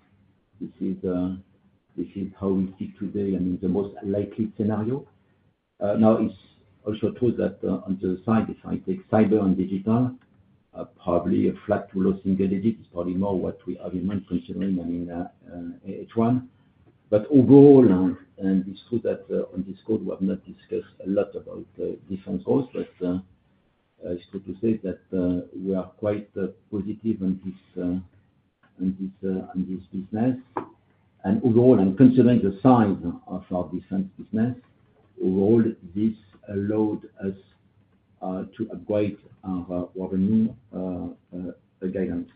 This is how we see today, the most likely scenario. It's also true that on the side, if I take Cyber and Digital, probably a flat to low single digit is probably more what we have in mind considering H1. Overall, and it's true that on this call, we have not discussed a lot about defense growth, but it's good to say that we are quite positive on this business. Overall, and considering the size of our defense business, this allowed us to upgrade our revenue guidance.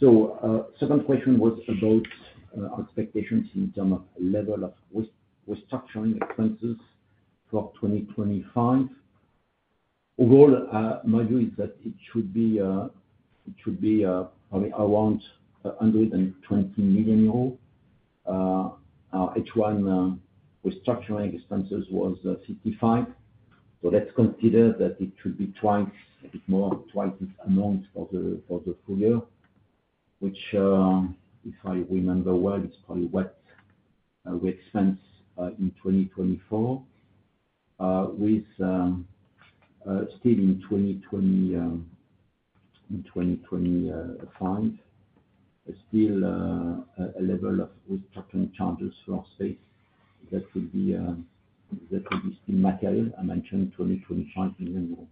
The second question was about expectations in terms of level of restructuring expenses for 2025. Overall, my view is that it should be probably around 120 million euro. Our H1 restructuring expenses was 55 million. Let's consider that it should be twice, a bit more than twice this amount for the full year, which, if I remember well, is probably what we expense in 2024. Still in 2025, still a level of restructuring charges for space that will be still material, I mentioned, 20-25 million euros.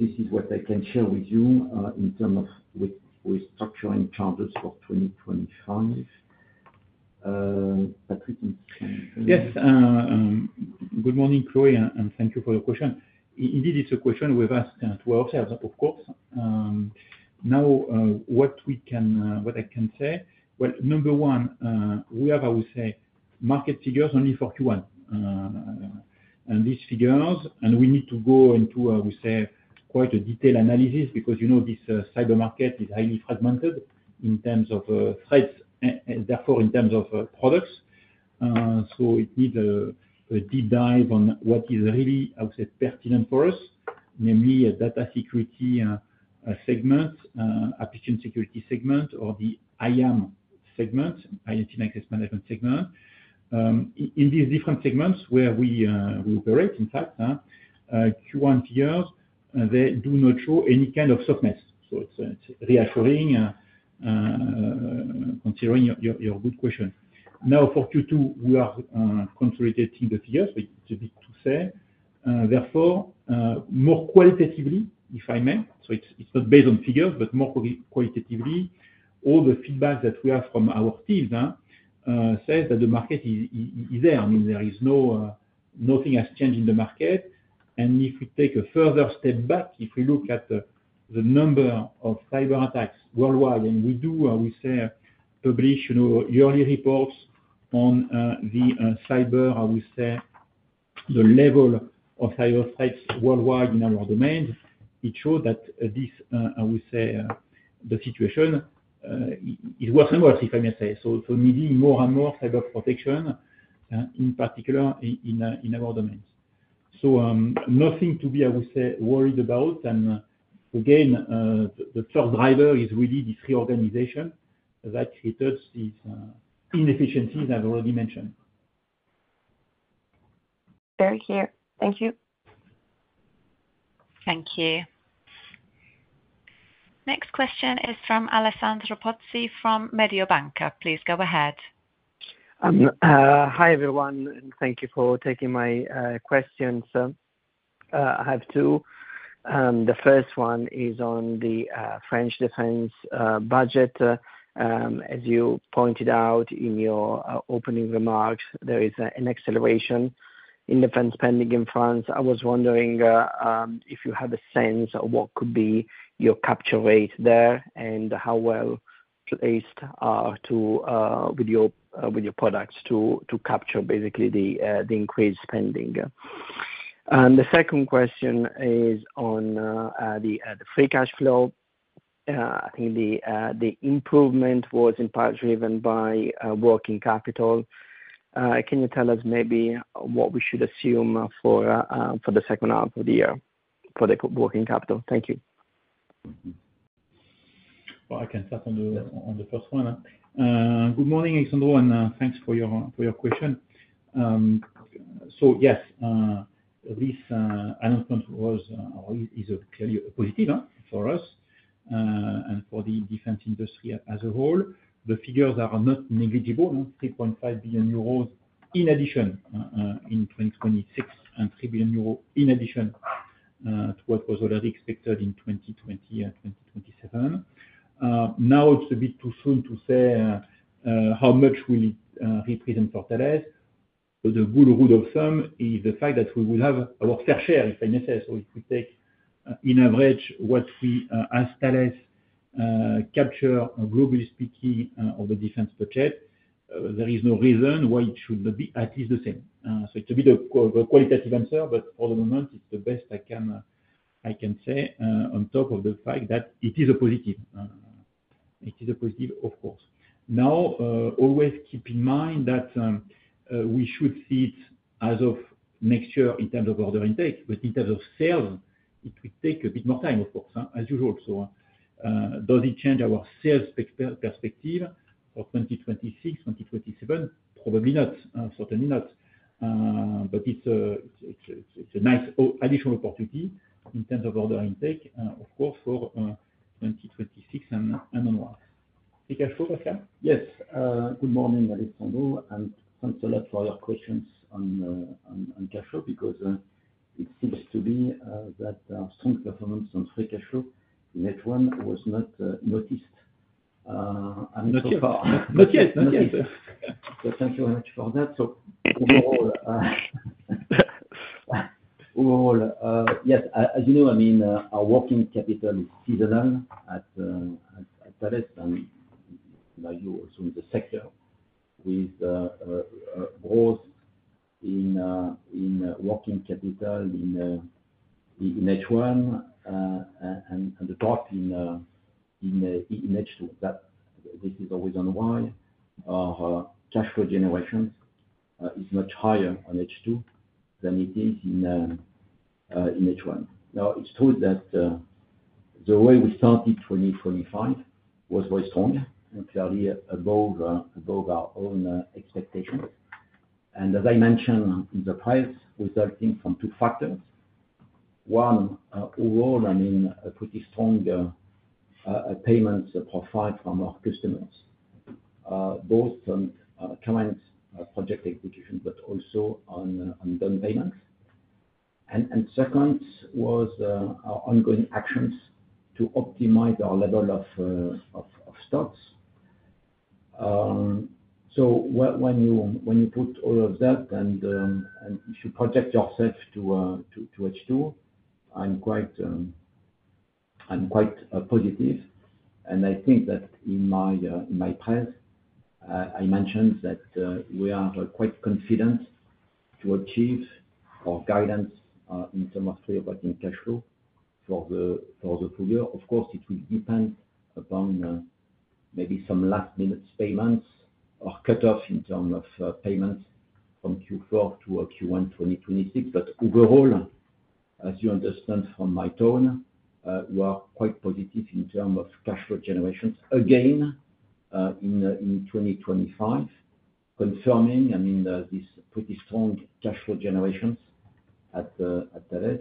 This is what I can share with you in terms of restructuring charges for 2025. Patrice, can you? Yes. Good morning, Chloé, and thank you for your question. Indeed, it's a question we've asked to ourselves, of course. Now, what I can say, number one, we have, I would say, market figures only for Q1. And these figures, and we need to go into, I would say, quite a detailed analysis because this Cyber market is highly fragmented in terms of threats, therefore in terms of products. It needs a deep dive on what is really, I would say, pertinent for us, namely data security segment, application security segment, or the IAM segment, IoT access management segment. In these different segments where we operate, in fact, Q1 figures, they do not show any kind of softness. It's reassuring, considering your good question. Now, for Q2, we are consolidating the figures, which is a bit too sad. Therefore, more qualitatively, if I may, it's not based on figures, but more qualitatively, all the feedback that we have from our teams says that the market is there. I mean, nothing has changed in the market. If we take a further step back, if we look at the number of Cyber attacks worldwide, and we do, I would say, publish yearly reports on the Cyber, I would say, the level of Cyber threats worldwide in our domains, it shows that this, I would say, the situation is worse and worse, if I may say, so needing more and more Cyber protection, in particular in our domains. Nothing to be, I would say, worried about. Again, the first driver is really this reorganization that created these inefficiencies I've already mentioned. Very clear. Thank you. Thank you. Next question is from Alessandro Pozzi from Mediobanca. Please go ahead. Hi, everyone, and thank you for taking my questions. I have two. The first one is on the French defense budget. As you pointed out in your opening remarks, there is an acceleration in defense spending in France. I was wondering if you have a sense of what could be your capture rate there and how well placed with your products to capture basically the increased spending. The second question is on the free cash flow. I think the improvement was in part driven by working capital. Can you tell us maybe what we should assume for the second half of the year for the working capital? Thank you. I can start on the first one. Good morning, Alessandro, and thanks for your question. Yes, this announcement is clearly positive for us and for the defense industry as a whole. The figures are not negligible. 3.5 billion euros in addition in 2026 and 3 billion euros in addition to what was already expected in 2020 and 2027. Now, it's a bit too soon to say how much will it represent for Thales. The good root of some is the fact that we will have our fair share, if I may say. If we take in average what we ask Thales. Capture globally speaking of the defense budget, there is no reason why it should not be at least the same. It is a bit of a qualitative answer, but for the moment, it is the best I can. Say on top of the fact that it is a positive. It is a positive, of course. Now, always keep in mind that. We should see it as of next year in terms of order intake, but in terms of sales, it will take a bit more time, of course, as usual. Does it change our sales perspective for 2026, 2027? Probably not, certainly not. It is a nice additional opportunity in terms of order intake, of course, for 2026 and onwards. Free cash flow, Pascal? Yes. Good morning, Alessandro. And thanks a lot for your questions on cash flow because it seems to be that our strong performance on free cash flow in H1 was not noticed. Not so far. Not yet. Not yet. Thank you very much for that. Overall, yes, as you know, I mean, our working capital is seasonal at Thales. You also in the sector with growth in working capital in H1 and the drop in H2. This is always on why our cash flow generation is much higher on H2 than it is in H1. It is true that the way we started 2025 was very strong and clearly above our own expectations. As I mentioned, it is a price resulting from two factors. One, overall, I mean, pretty strong payments profile from our customers, both on current project execution, but also on done payments. Second was our ongoing actions to optimize our level of stocks. When you put all of that and you project yourself to H2, I am quite positive. I think that in my press I mentioned that we are quite confident to achieve our guidance in terms of free operating cash flow for the full year. Of course, it will depend upon maybe some last-minute payments or cutoff in terms of payments from Q4 to Q1 2026. Overall, as you understand from my tone, we are quite positive in terms of cash flow generations again in 2025. Confirming, I mean, these pretty strong cash flow generations at Thales.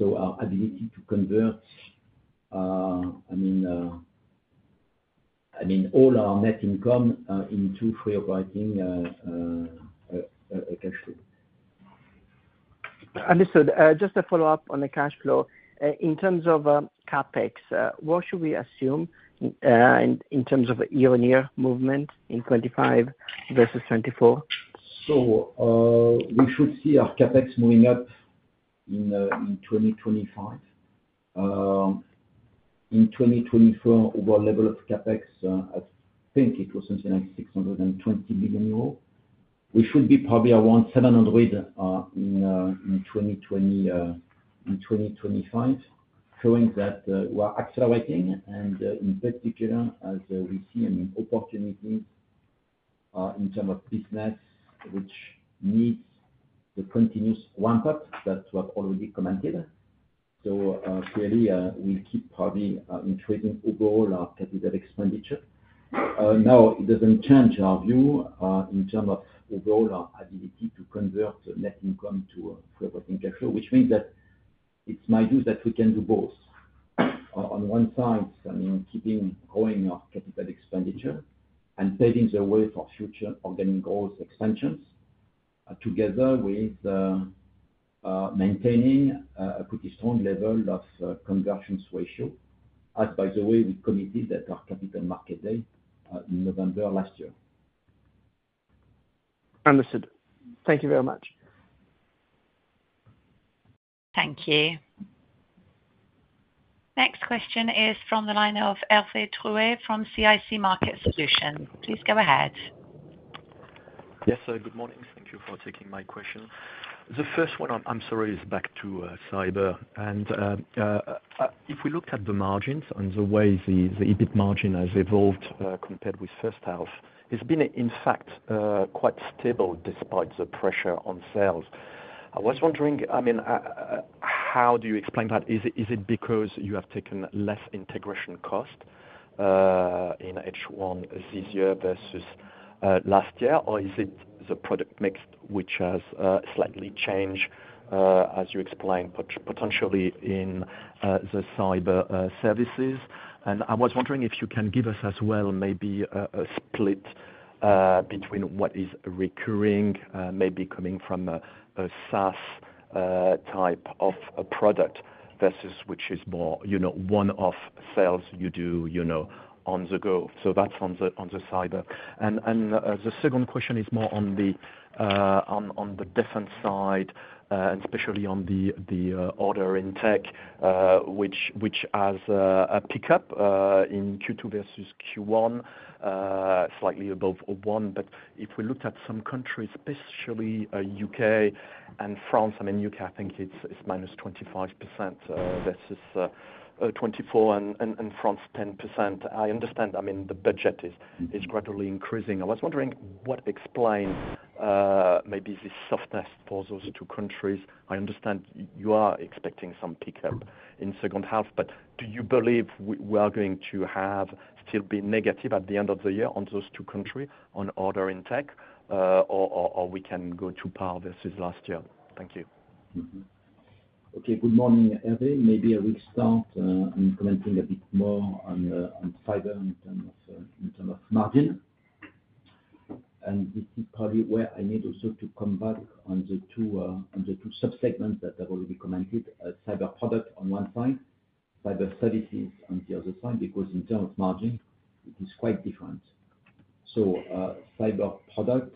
Our ability to convert, I mean, all our net income into free operating cash flow. Understood. Just a follow-up on the cash flow. In terms of CapEx, what should we assume in terms of year-on-year movement in 2025 versus 2024? We should see our CapEx moving up in 2025. In 2024, our level of CapEx, I think it was something like 620 million euro. We should be probably around 700 million in 2025. Showing that we are accelerating. In particular, as we see, I mean, opportunities. In terms of business, which needs the continuous ramp-up that we have already commented, we keep probably increasing overall our capital expenditure. Now, it does not change our view in terms of overall our ability to convert net income to free operating cash flow, which means that it is my view that we can do both. On one side, I mean, keeping growing our capital expenditure and paving the way for future organic growth expansions, together with maintaining a pretty strong level of conversions ratio, as, by the way, we committed at our capital market day in November last year. Understood. Thank you very much. Thank you. Next question is from the line of Hervé Drouet from CIC Market Solutions. Please go ahead. Yes, good morning. Thank you for taking my question. The first one, I am sorry, is back to Cyber. If we look at the margins and the way the EBIT margin has evolved compared with first half, it has been, in fact, quite stable despite the pressure on sales. I was wondering, I mean, how do you explain that? Is it because you have taken less integration cost in H1 this year versus last year, or is it the product mix which has slightly changed, as you explained, potentially in the Cyber services? I was wondering if you can give us as well maybe a split between what is recurring, maybe coming from a SaaS type of product versus which is more one-off sales you do on the go. That is on the Cyber. The second question is more on the defense side, and especially on the order intake, which has a pickup in Q2 versus Q1, slightly above one. If we look at some countries, especially U.K. and France, I mean, U.K., I think it is minus 25% versus 2024, and France 10%. I understand, I mean, the budget is gradually increasing. I was wondering what explains maybe this softness for those two countries. I understand you are expecting some pickup in second half, but do you believe we are going to still be negative at the end of the year on those two countries on order intake, or we can go to par versus last year? Thank you. Okay. Good morning, Hervé. Maybe I will start on commenting a bit more on Cyber in terms of margin. This is probably where I need also to come back on the two subsegments that I have already commented: Cyber product on one side, Cyber services on the other side, because in terms of margin, it is quite different. Cyber product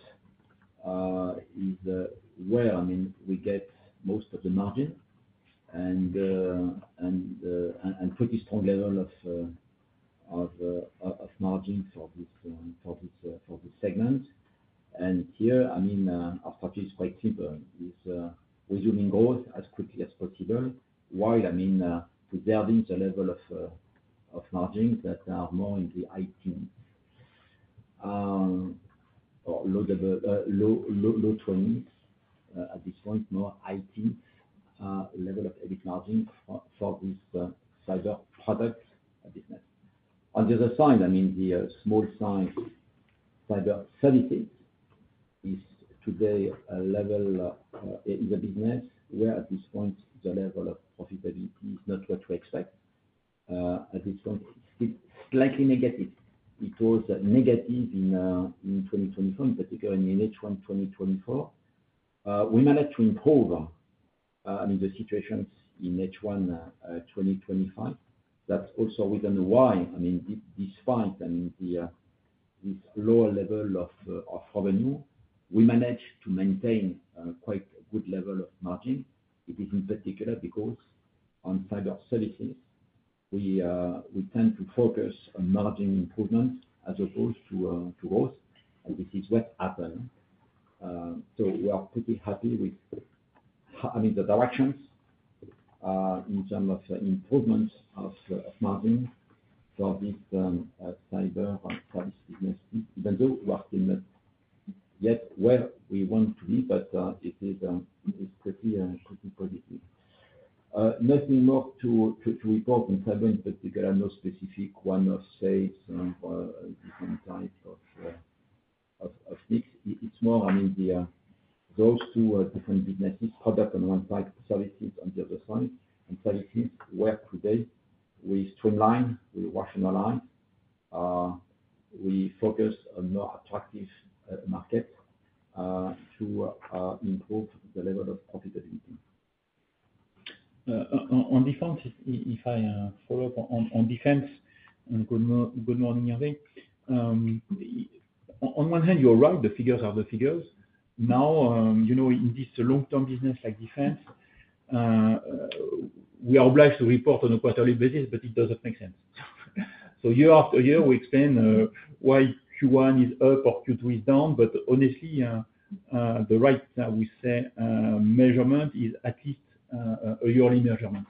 is where, I mean, we get most of the margin and a pretty strong level of margin for this segment. Here, I mean, our strategy is quite simple. It is resuming growth as quickly as possible while, I mean, preserving the level of margins that are more in the 18 or low 20s at this point, more IT. Level of EBIT margin for this Cyber product business. On the other side, I mean, the small-size Cyber services is today a level in the business where at this point, the level of profitability is not what we expect. At this point, it's slightly negative because negative in 2024, in particular in H1 2024. We managed to improve, I mean, the situation in H1 2025. That's also within the why. I mean, despite, I mean, this lower level of revenue, we managed to maintain quite a good level of margin. It is in particular because on Cyber services, we tend to focus on margin improvement as opposed to growth. And this is what happened. We are pretty happy with, I mean, the directions in terms of improvement of margin for this Cyber service business, even though we are still not yet where we want to be, but it is pretty positive. Nothing more to report on Cyber in particular, no specific one-off sales or different types of mix. It's more, I mean, those two different businesses, product on one side, services on the other side, and services where today we streamline, we rationalize. We focus on more attractive markets to improve the level of profitability. On defense, if I follow up on defense, good morning, Hervé. On one hand, you're right. The figures are the figures. Now, in this long-term business like defense, we are obliged to report on a quarterly basis, but it doesn't make sense. Year after year, we explain why Q1 is up or Q2 is down, but honestly, the right, we say, measurement is at least a yearly measurement.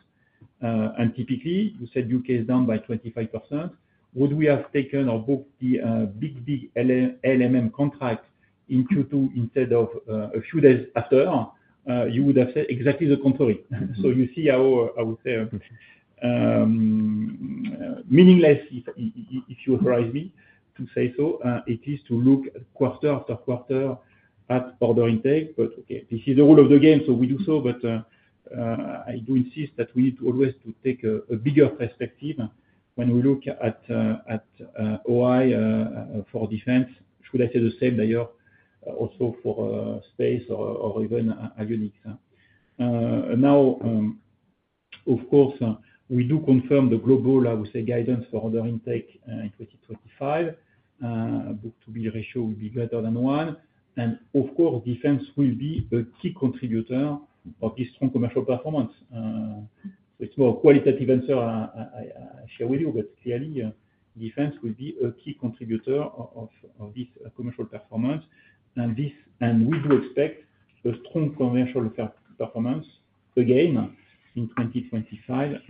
Typically, you said U.K. is down by 25%. Would we have taken or booked the big LMM contract in Q2 instead of a few days after? You would have said exactly the contrary. You see how, I would say, meaningless, if you authorize me to say so, it is to look quarter after quarter at order intake. This is the rule of the game, so we do so, but I do insist that we need to always take a bigger perspective when we look at OI for defense. Should I say the same, by your also for space or even Avionics? Now, of course, we do confirm the global, I would say, guidance for order intake in 2025. Book-to-bill ratio will be greater than one. Of course, defense will be a key contributor of this strong commercial performance. It's more a qualitative answer I share with you, but clearly, defense will be a key contributor of this commercial performance. We do expect a strong commercial performance again in 2025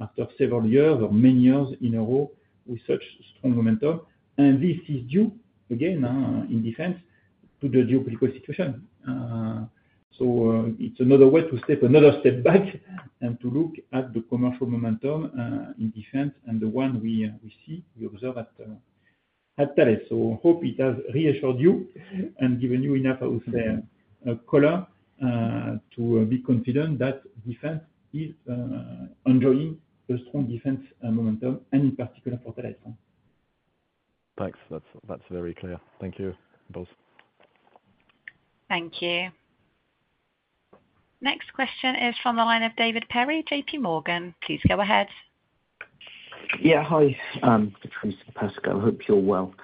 after several years or many years in a row with such strong momentum. This is due, again, in defense, to the geopolitical situation. So it's another way to step another step back and to look at the commercial momentum in defense and the one we see, we observe at Thales. I hope it has reassured you and given you enough, I would say, color to be confident that defense is enjoying a strong defense momentum and in particular for Thales. Thanks. That's very clear. Thank you both. Thank you. Next question is from the line of David Perry, JPMorgan. Please go ahead. Yeah. Hi. This is Pascal. Hope you're well.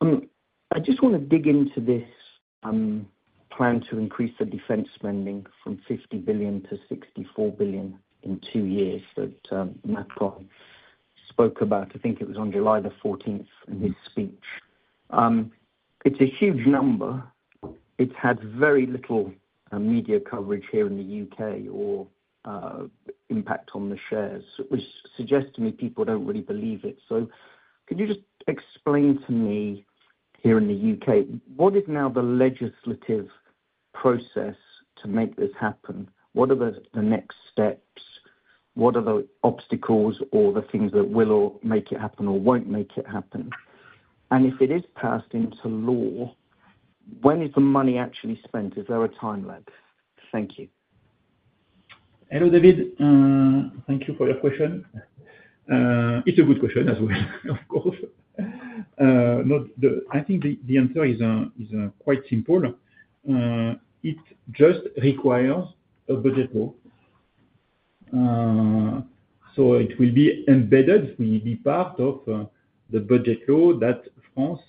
I just want to dig into this plan to increase the defense spending from 50 billion to 64 billion in two years that Macron spoke about, I think it was on July the 14th in his speech. It's a huge number. It's had very little media coverage here in the U.K. or impact on the shares. It suggests to me people don't really believe it. Could you just explain to me here in the U.K., what is now the legislative process to make this happen? What are the next steps? What are the obstacles or the things that will make it happen or won't make it happen? If it is passed into law, when is the money actually spent? Is there a time lag? Thank you. Hello, David. Thank you for your question. It's a good question as well, of course. I think the answer is quite simple. It just requires a budget law. It will be embedded; it will be part of the budget law that France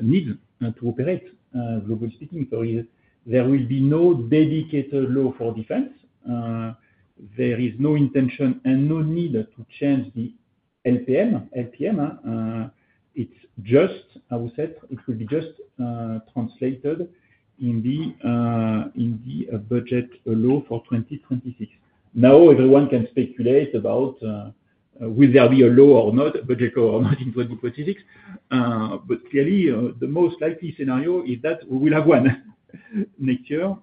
needs to operate, globally speaking. There will be no dedicated law for defense. There is no intention and no need to change the LPM. LPM. It's just, I would say, it will be just translated in the budget law for 2026. Now, everyone can speculate about whether there will be a law or not, a budget law or not in 2026. Clearly, the most likely scenario is that we will have one next year.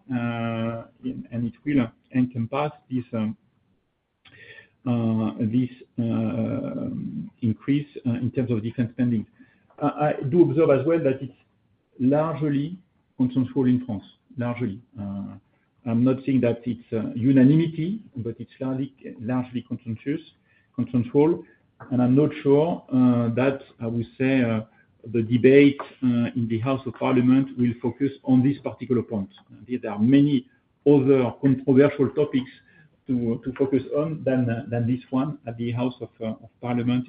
It will encompass this increase in terms of defense spending. I do observe as well that it's largely consensual in France, largely. I'm not saying that it's unanimity, but it's largely consensual, consensual. I'm not sure that, I would say, the debate in the House of Parliament will focus on this particular point. There are many other controversial topics to focus on than this one at the House of Parliament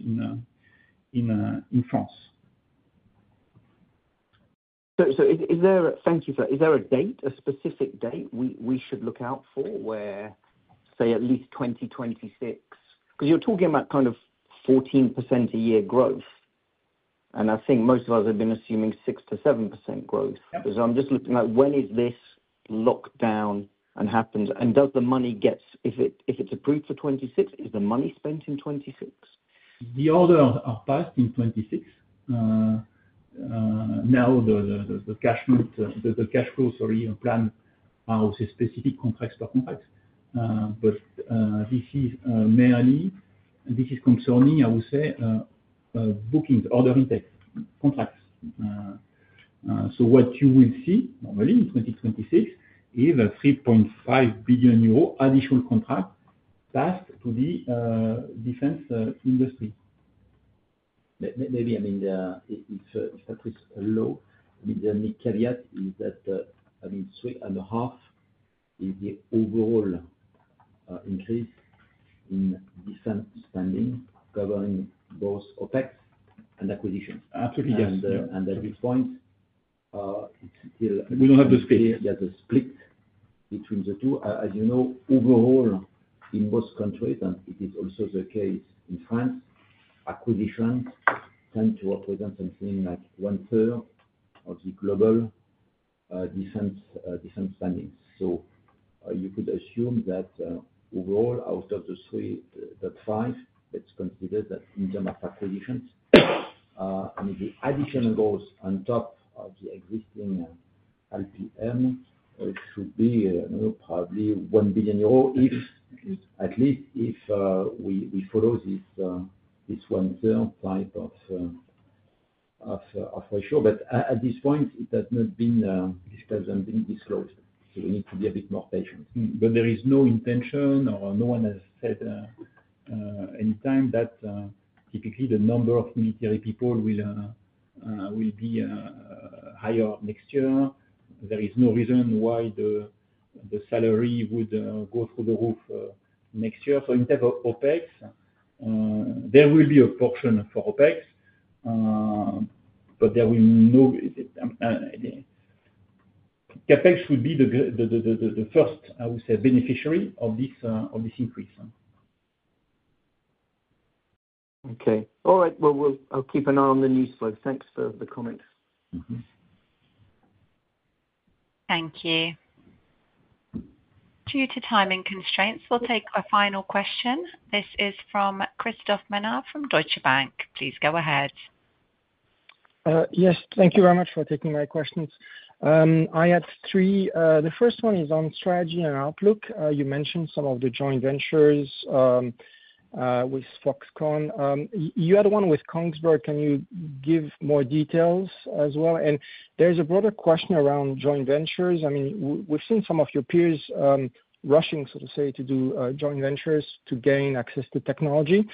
in France. Thank you. Is there a date, a specific date we should look out for where, say, at least 2026? Because you're talking about kind of 14% a year growth. I think most of us have been assuming 6%-7% growth. I'm just looking at when is this locked down and happens, and does the money get—if it's approved for 2026, is the money spent in 2026? The orders are passed in 2026. Now, the cash flow, sorry, plan. Are specific contracts per contract. But this is mainly—this is concerning, I would say. Bookings, order intake, contracts. What you will see normally in 2026 is a 3.5 billion euro additional contract passed to the defense industry. Maybe, I mean, if that is a law, the caveat is that, I mean, 3.5 billion is the overall increase in defense spending covering both OpEx and acquisitions. Absolutely, yes. At this point, it is still— we do not have the split. There is a split between the two. As you know, overall, in most countries, and it is also the case in France, acquisitions tend to represent something like one-third of the global defense spending. You could assume that overall, out of the 3.5 billion, let us consider that in terms of acquisitions, I mean, the additional goals on top of the existing LPM should be probably 1 billion euro, at least if we follow this one-third type of ratio. At this point, it has not been disclosed. We need to be a bit more patient. There is no intention, or no one has said anytime that typically the number of military people will be higher next year. There is no reason why the salary would go through the roof next year. In terms of OpEx, there will be a portion for OpEx, but there will be no—CapEx would be the first, I would say, beneficiary of this increase. Okay. All right. I will keep an eye on the news flow. Thanks for the comment. Thank you. Due to timing constraints, we will take a final question. This is from Christophe Menard from Deutsche Bank. Please go ahead. Yes. Thank you very much for taking my questions. I had three. The first one is on strategy and outlook. You mentioned some of the joint ventures with Foxconn. You had one with Kongsberg. Can you give more details as well? There is a broader question around joint ventures. I mean, we have seen some of your peers rushing, so to say, to do joint ventures to gain access to technology.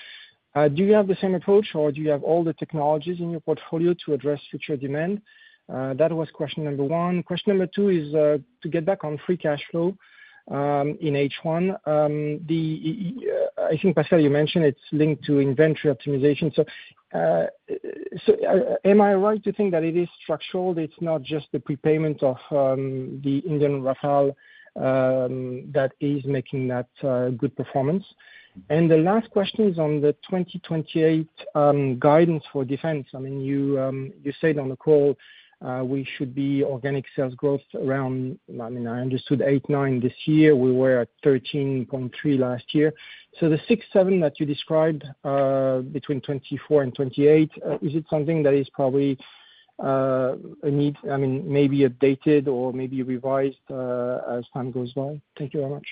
Do you have the same approach, or do you have all the technologies in your portfolio to address future demand? That was question number one. Question number two is to get back on free cash flow. In H1, I think, Pascal, you mentioned it is linked to inventory optimization. Am I right to think that it is structural? It is not just the prepayment of the Indian Rafale that is making that good performance. The last question is on the 2028 guidance for defense. I mean, you said on the call we should be organic sales growth around, I mean, I understood 8.9% this year. We were at 13.3% last year. The 6.7% that you described between 2024 and 2028, is it something that is probably a need, I mean, maybe updated or maybe revised as time goes by? Thank you very much.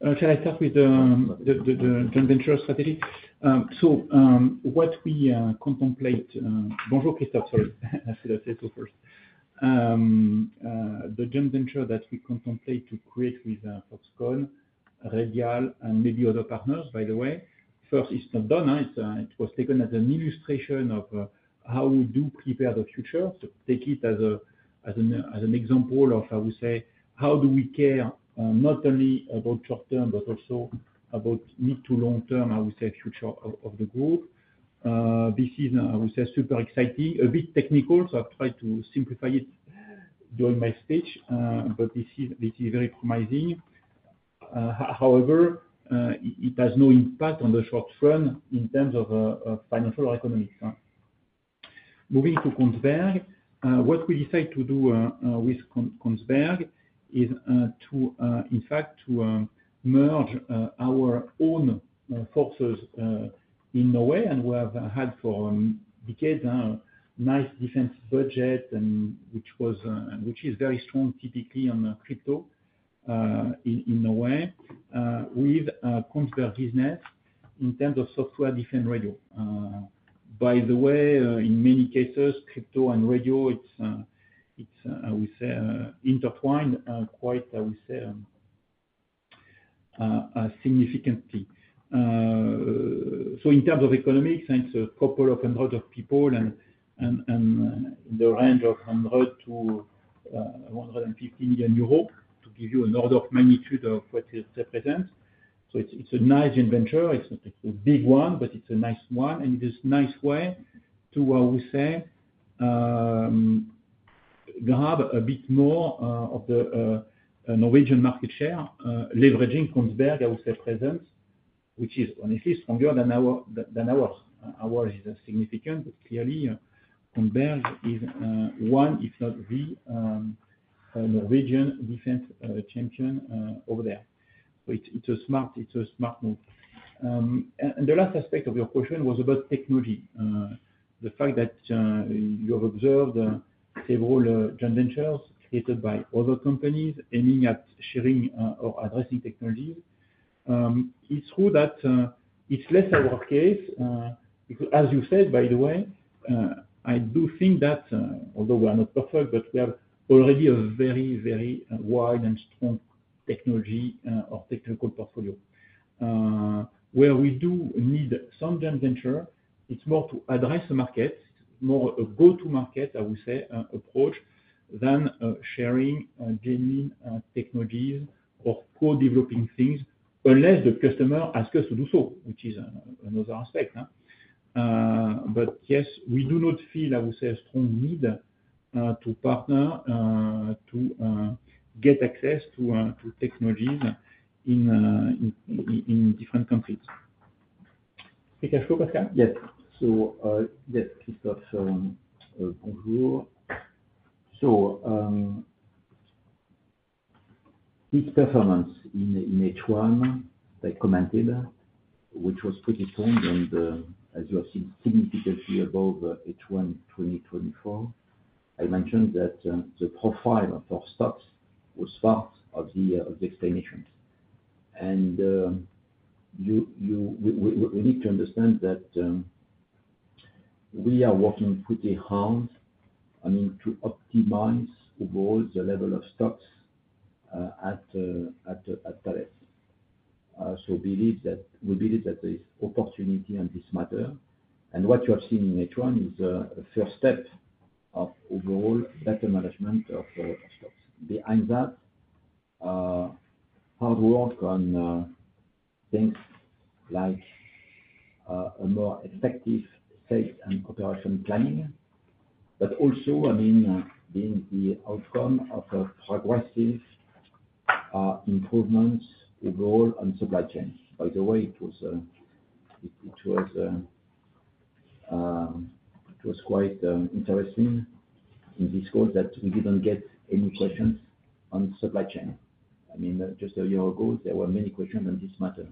Can I start with the joint venture strategy? What we contemplate—Bonjour, Christophe. Sorry, I should have said so first. The joint venture that we contemplate to create with FoxConn, Rediall, and maybe other partners, by the way, first, it's not done. It was taken as an illustration of how we do prepare the future. So take it as an example of, I would say, how do we care not only about short-term but also about mid- to long-term, I would say, future of the group. This is, I would say, super exciting, a bit technical, so I've tried to simplify it during my speech, but this is very promising. However, it has no impact on the short run in terms of financial or economics. Moving to Kongsberg, what we decide to do with Kongsberg is, in fact, to merge our own forces. In Norway, and we have had for decades a nice defense budget, which is very strong typically on crypto. In Norway, with Kongsberg business in terms of software defense radio. By the way, in many cases, crypto and radio, it's, I would say, intertwined quite, I would say, significantly. So in terms of economics, it's a couple of hundreds of people and in the range of 100 million-150 million euros to give you an order of magnitude of what it represents. So it's a nice joint venture. It's not a big one, but it's a nice one. And it is a nice way to, I would say, grab a bit more of the Norwegian market share, leveraging Kongsberg, I would say, presence, which is honestly stronger than ours. Ours is significant, but clearly, Kongsberg is one, if not the Norwegian defense champion over there. It is a smart move. The last aspect of your question was about technology. The fact that you have observed several joint ventures created by other companies aiming at sharing or addressing technologies. It's true that it's less our case. As you said, by the way, I do think that, although we are not perfect, but we have already a very, very wide and strong technology or technical portfolio. Where we do need some joint venture, it's more to address the market, more a go-to-market, I would say, approach than sharing genuine technologies or co-developing things unless the customer asks us to do so, which is another aspect. But yes, we do not feel, I would say, a strong need to partner to get access to technologies in different countries. Thank you. Pascal? Yes. So. Yes, Christophe. Bonjour. So. Peak performance in H1, like commented, which was pretty strong and, as you have seen, significantly above H1 2024. I mentioned that the profile for stocks was part of the explanation. We need to understand that we are working pretty hard, I mean, to optimize overall the level of stocks at Thales. We believe that there is opportunity in this matter. What you have seen in H1 is a first step of overall better management of stocks. Behind that. Hard work on. Things like a more effective sales and operation planning, but also, I mean, being the outcome of progressive improvements overall on supply chain. By the way, it was quite interesting in this call that we did not get any questions on supply chain. I mean, just a year ago, there were many questions on this matter.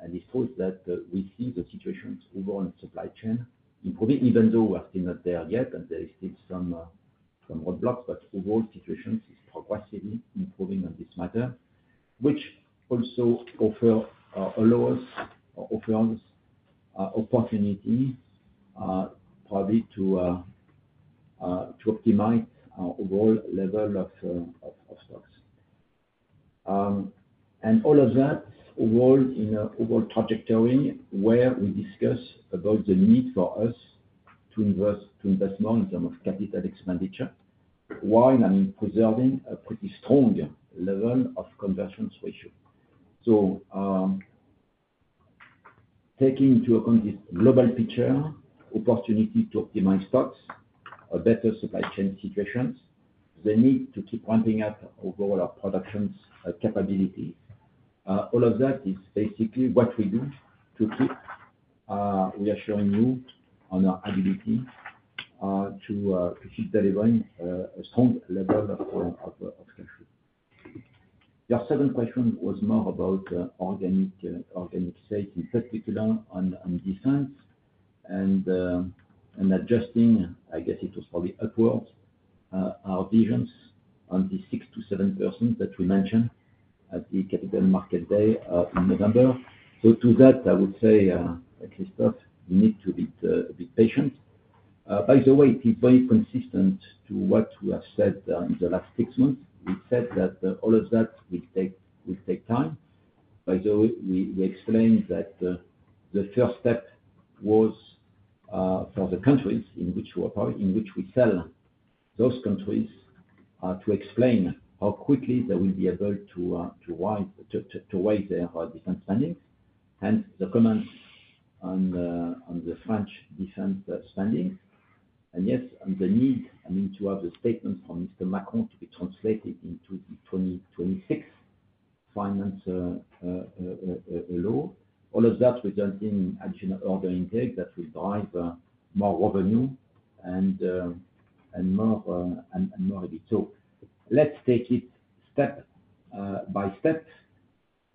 It is true that we see the situation overall in supply chain improving, even though we are still not there yet, and there are still some roadblocks, but overall situation is progressively improving on this matter, which also allows us opportunity probably to optimize our overall level of stocks. All of that, overall, in an overall trajectory where we discuss about the need for us to invest more in terms of CapEx while preserving a pretty strong level of conversions ratio. Taking into account this global picture, opportunity to optimize stocks, a better supply chain situation, the need to keep ramping up overall our production capabilities. All of that is basically what we do to keep reassuring you on our ability to keep delivering a strong level of cash flow. Your second question was more about organic sales, in particular on defense and adjusting, I guess it was probably upwards, our visions on the 6%-7% that we mentioned at the Capital Market Day in November. To that, I would say, Christophe, you need to be a bit patient. By the way, it is very consistent to what we have said in the last six months. We said that all of that will take time. By the way, we explained that the first step was for the countries in which we operate, in which we sell, those countries, to explain how quickly they will be able to weigh their defense spendings. Hence the comments on the French defense spending. Yes, the need, I mean, to have the statement from Mr. Macron to be translated into the 2026 finance law. All of that resulting in additional order intake that will drive more revenue and more. Editor. Let's take it step by step.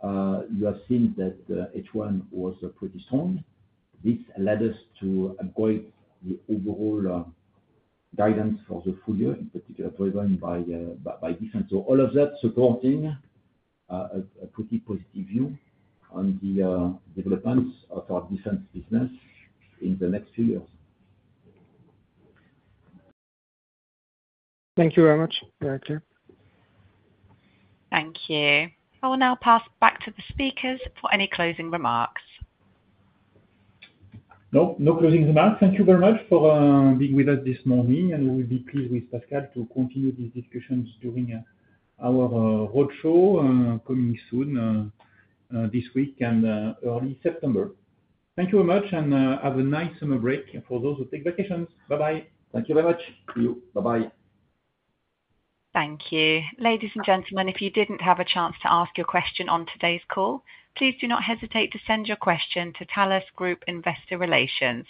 You have seen that H1 was pretty strong. This led us to upgrade the overall guidance for the full year, in particular driven by defense. All of that supporting a pretty positive view on the developments of our defense business in the next few years. Thank you very much, Director. Thank you. I will now pass back to the speakers for any closing remarks. No closing remarks. Thank you very much for being with us this morning. We will be pleased with Pascal to continue these discussions during our roadshow coming soon, this week and early September. Thank you very much, and have a nice summer break for those who take vacations. Bye-bye. Thank you very much. See you. Bye-bye. Thank you. Ladies and gentlemen, if you did not have a chance to ask your question on today's call, please do not hesitate to send your question to Thales Group Investor Relations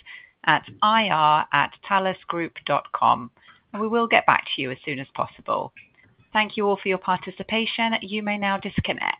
at ir@thalesgroup.com. We will get back to you as soon as possible. Thank you all for your participation. You may now disconnect.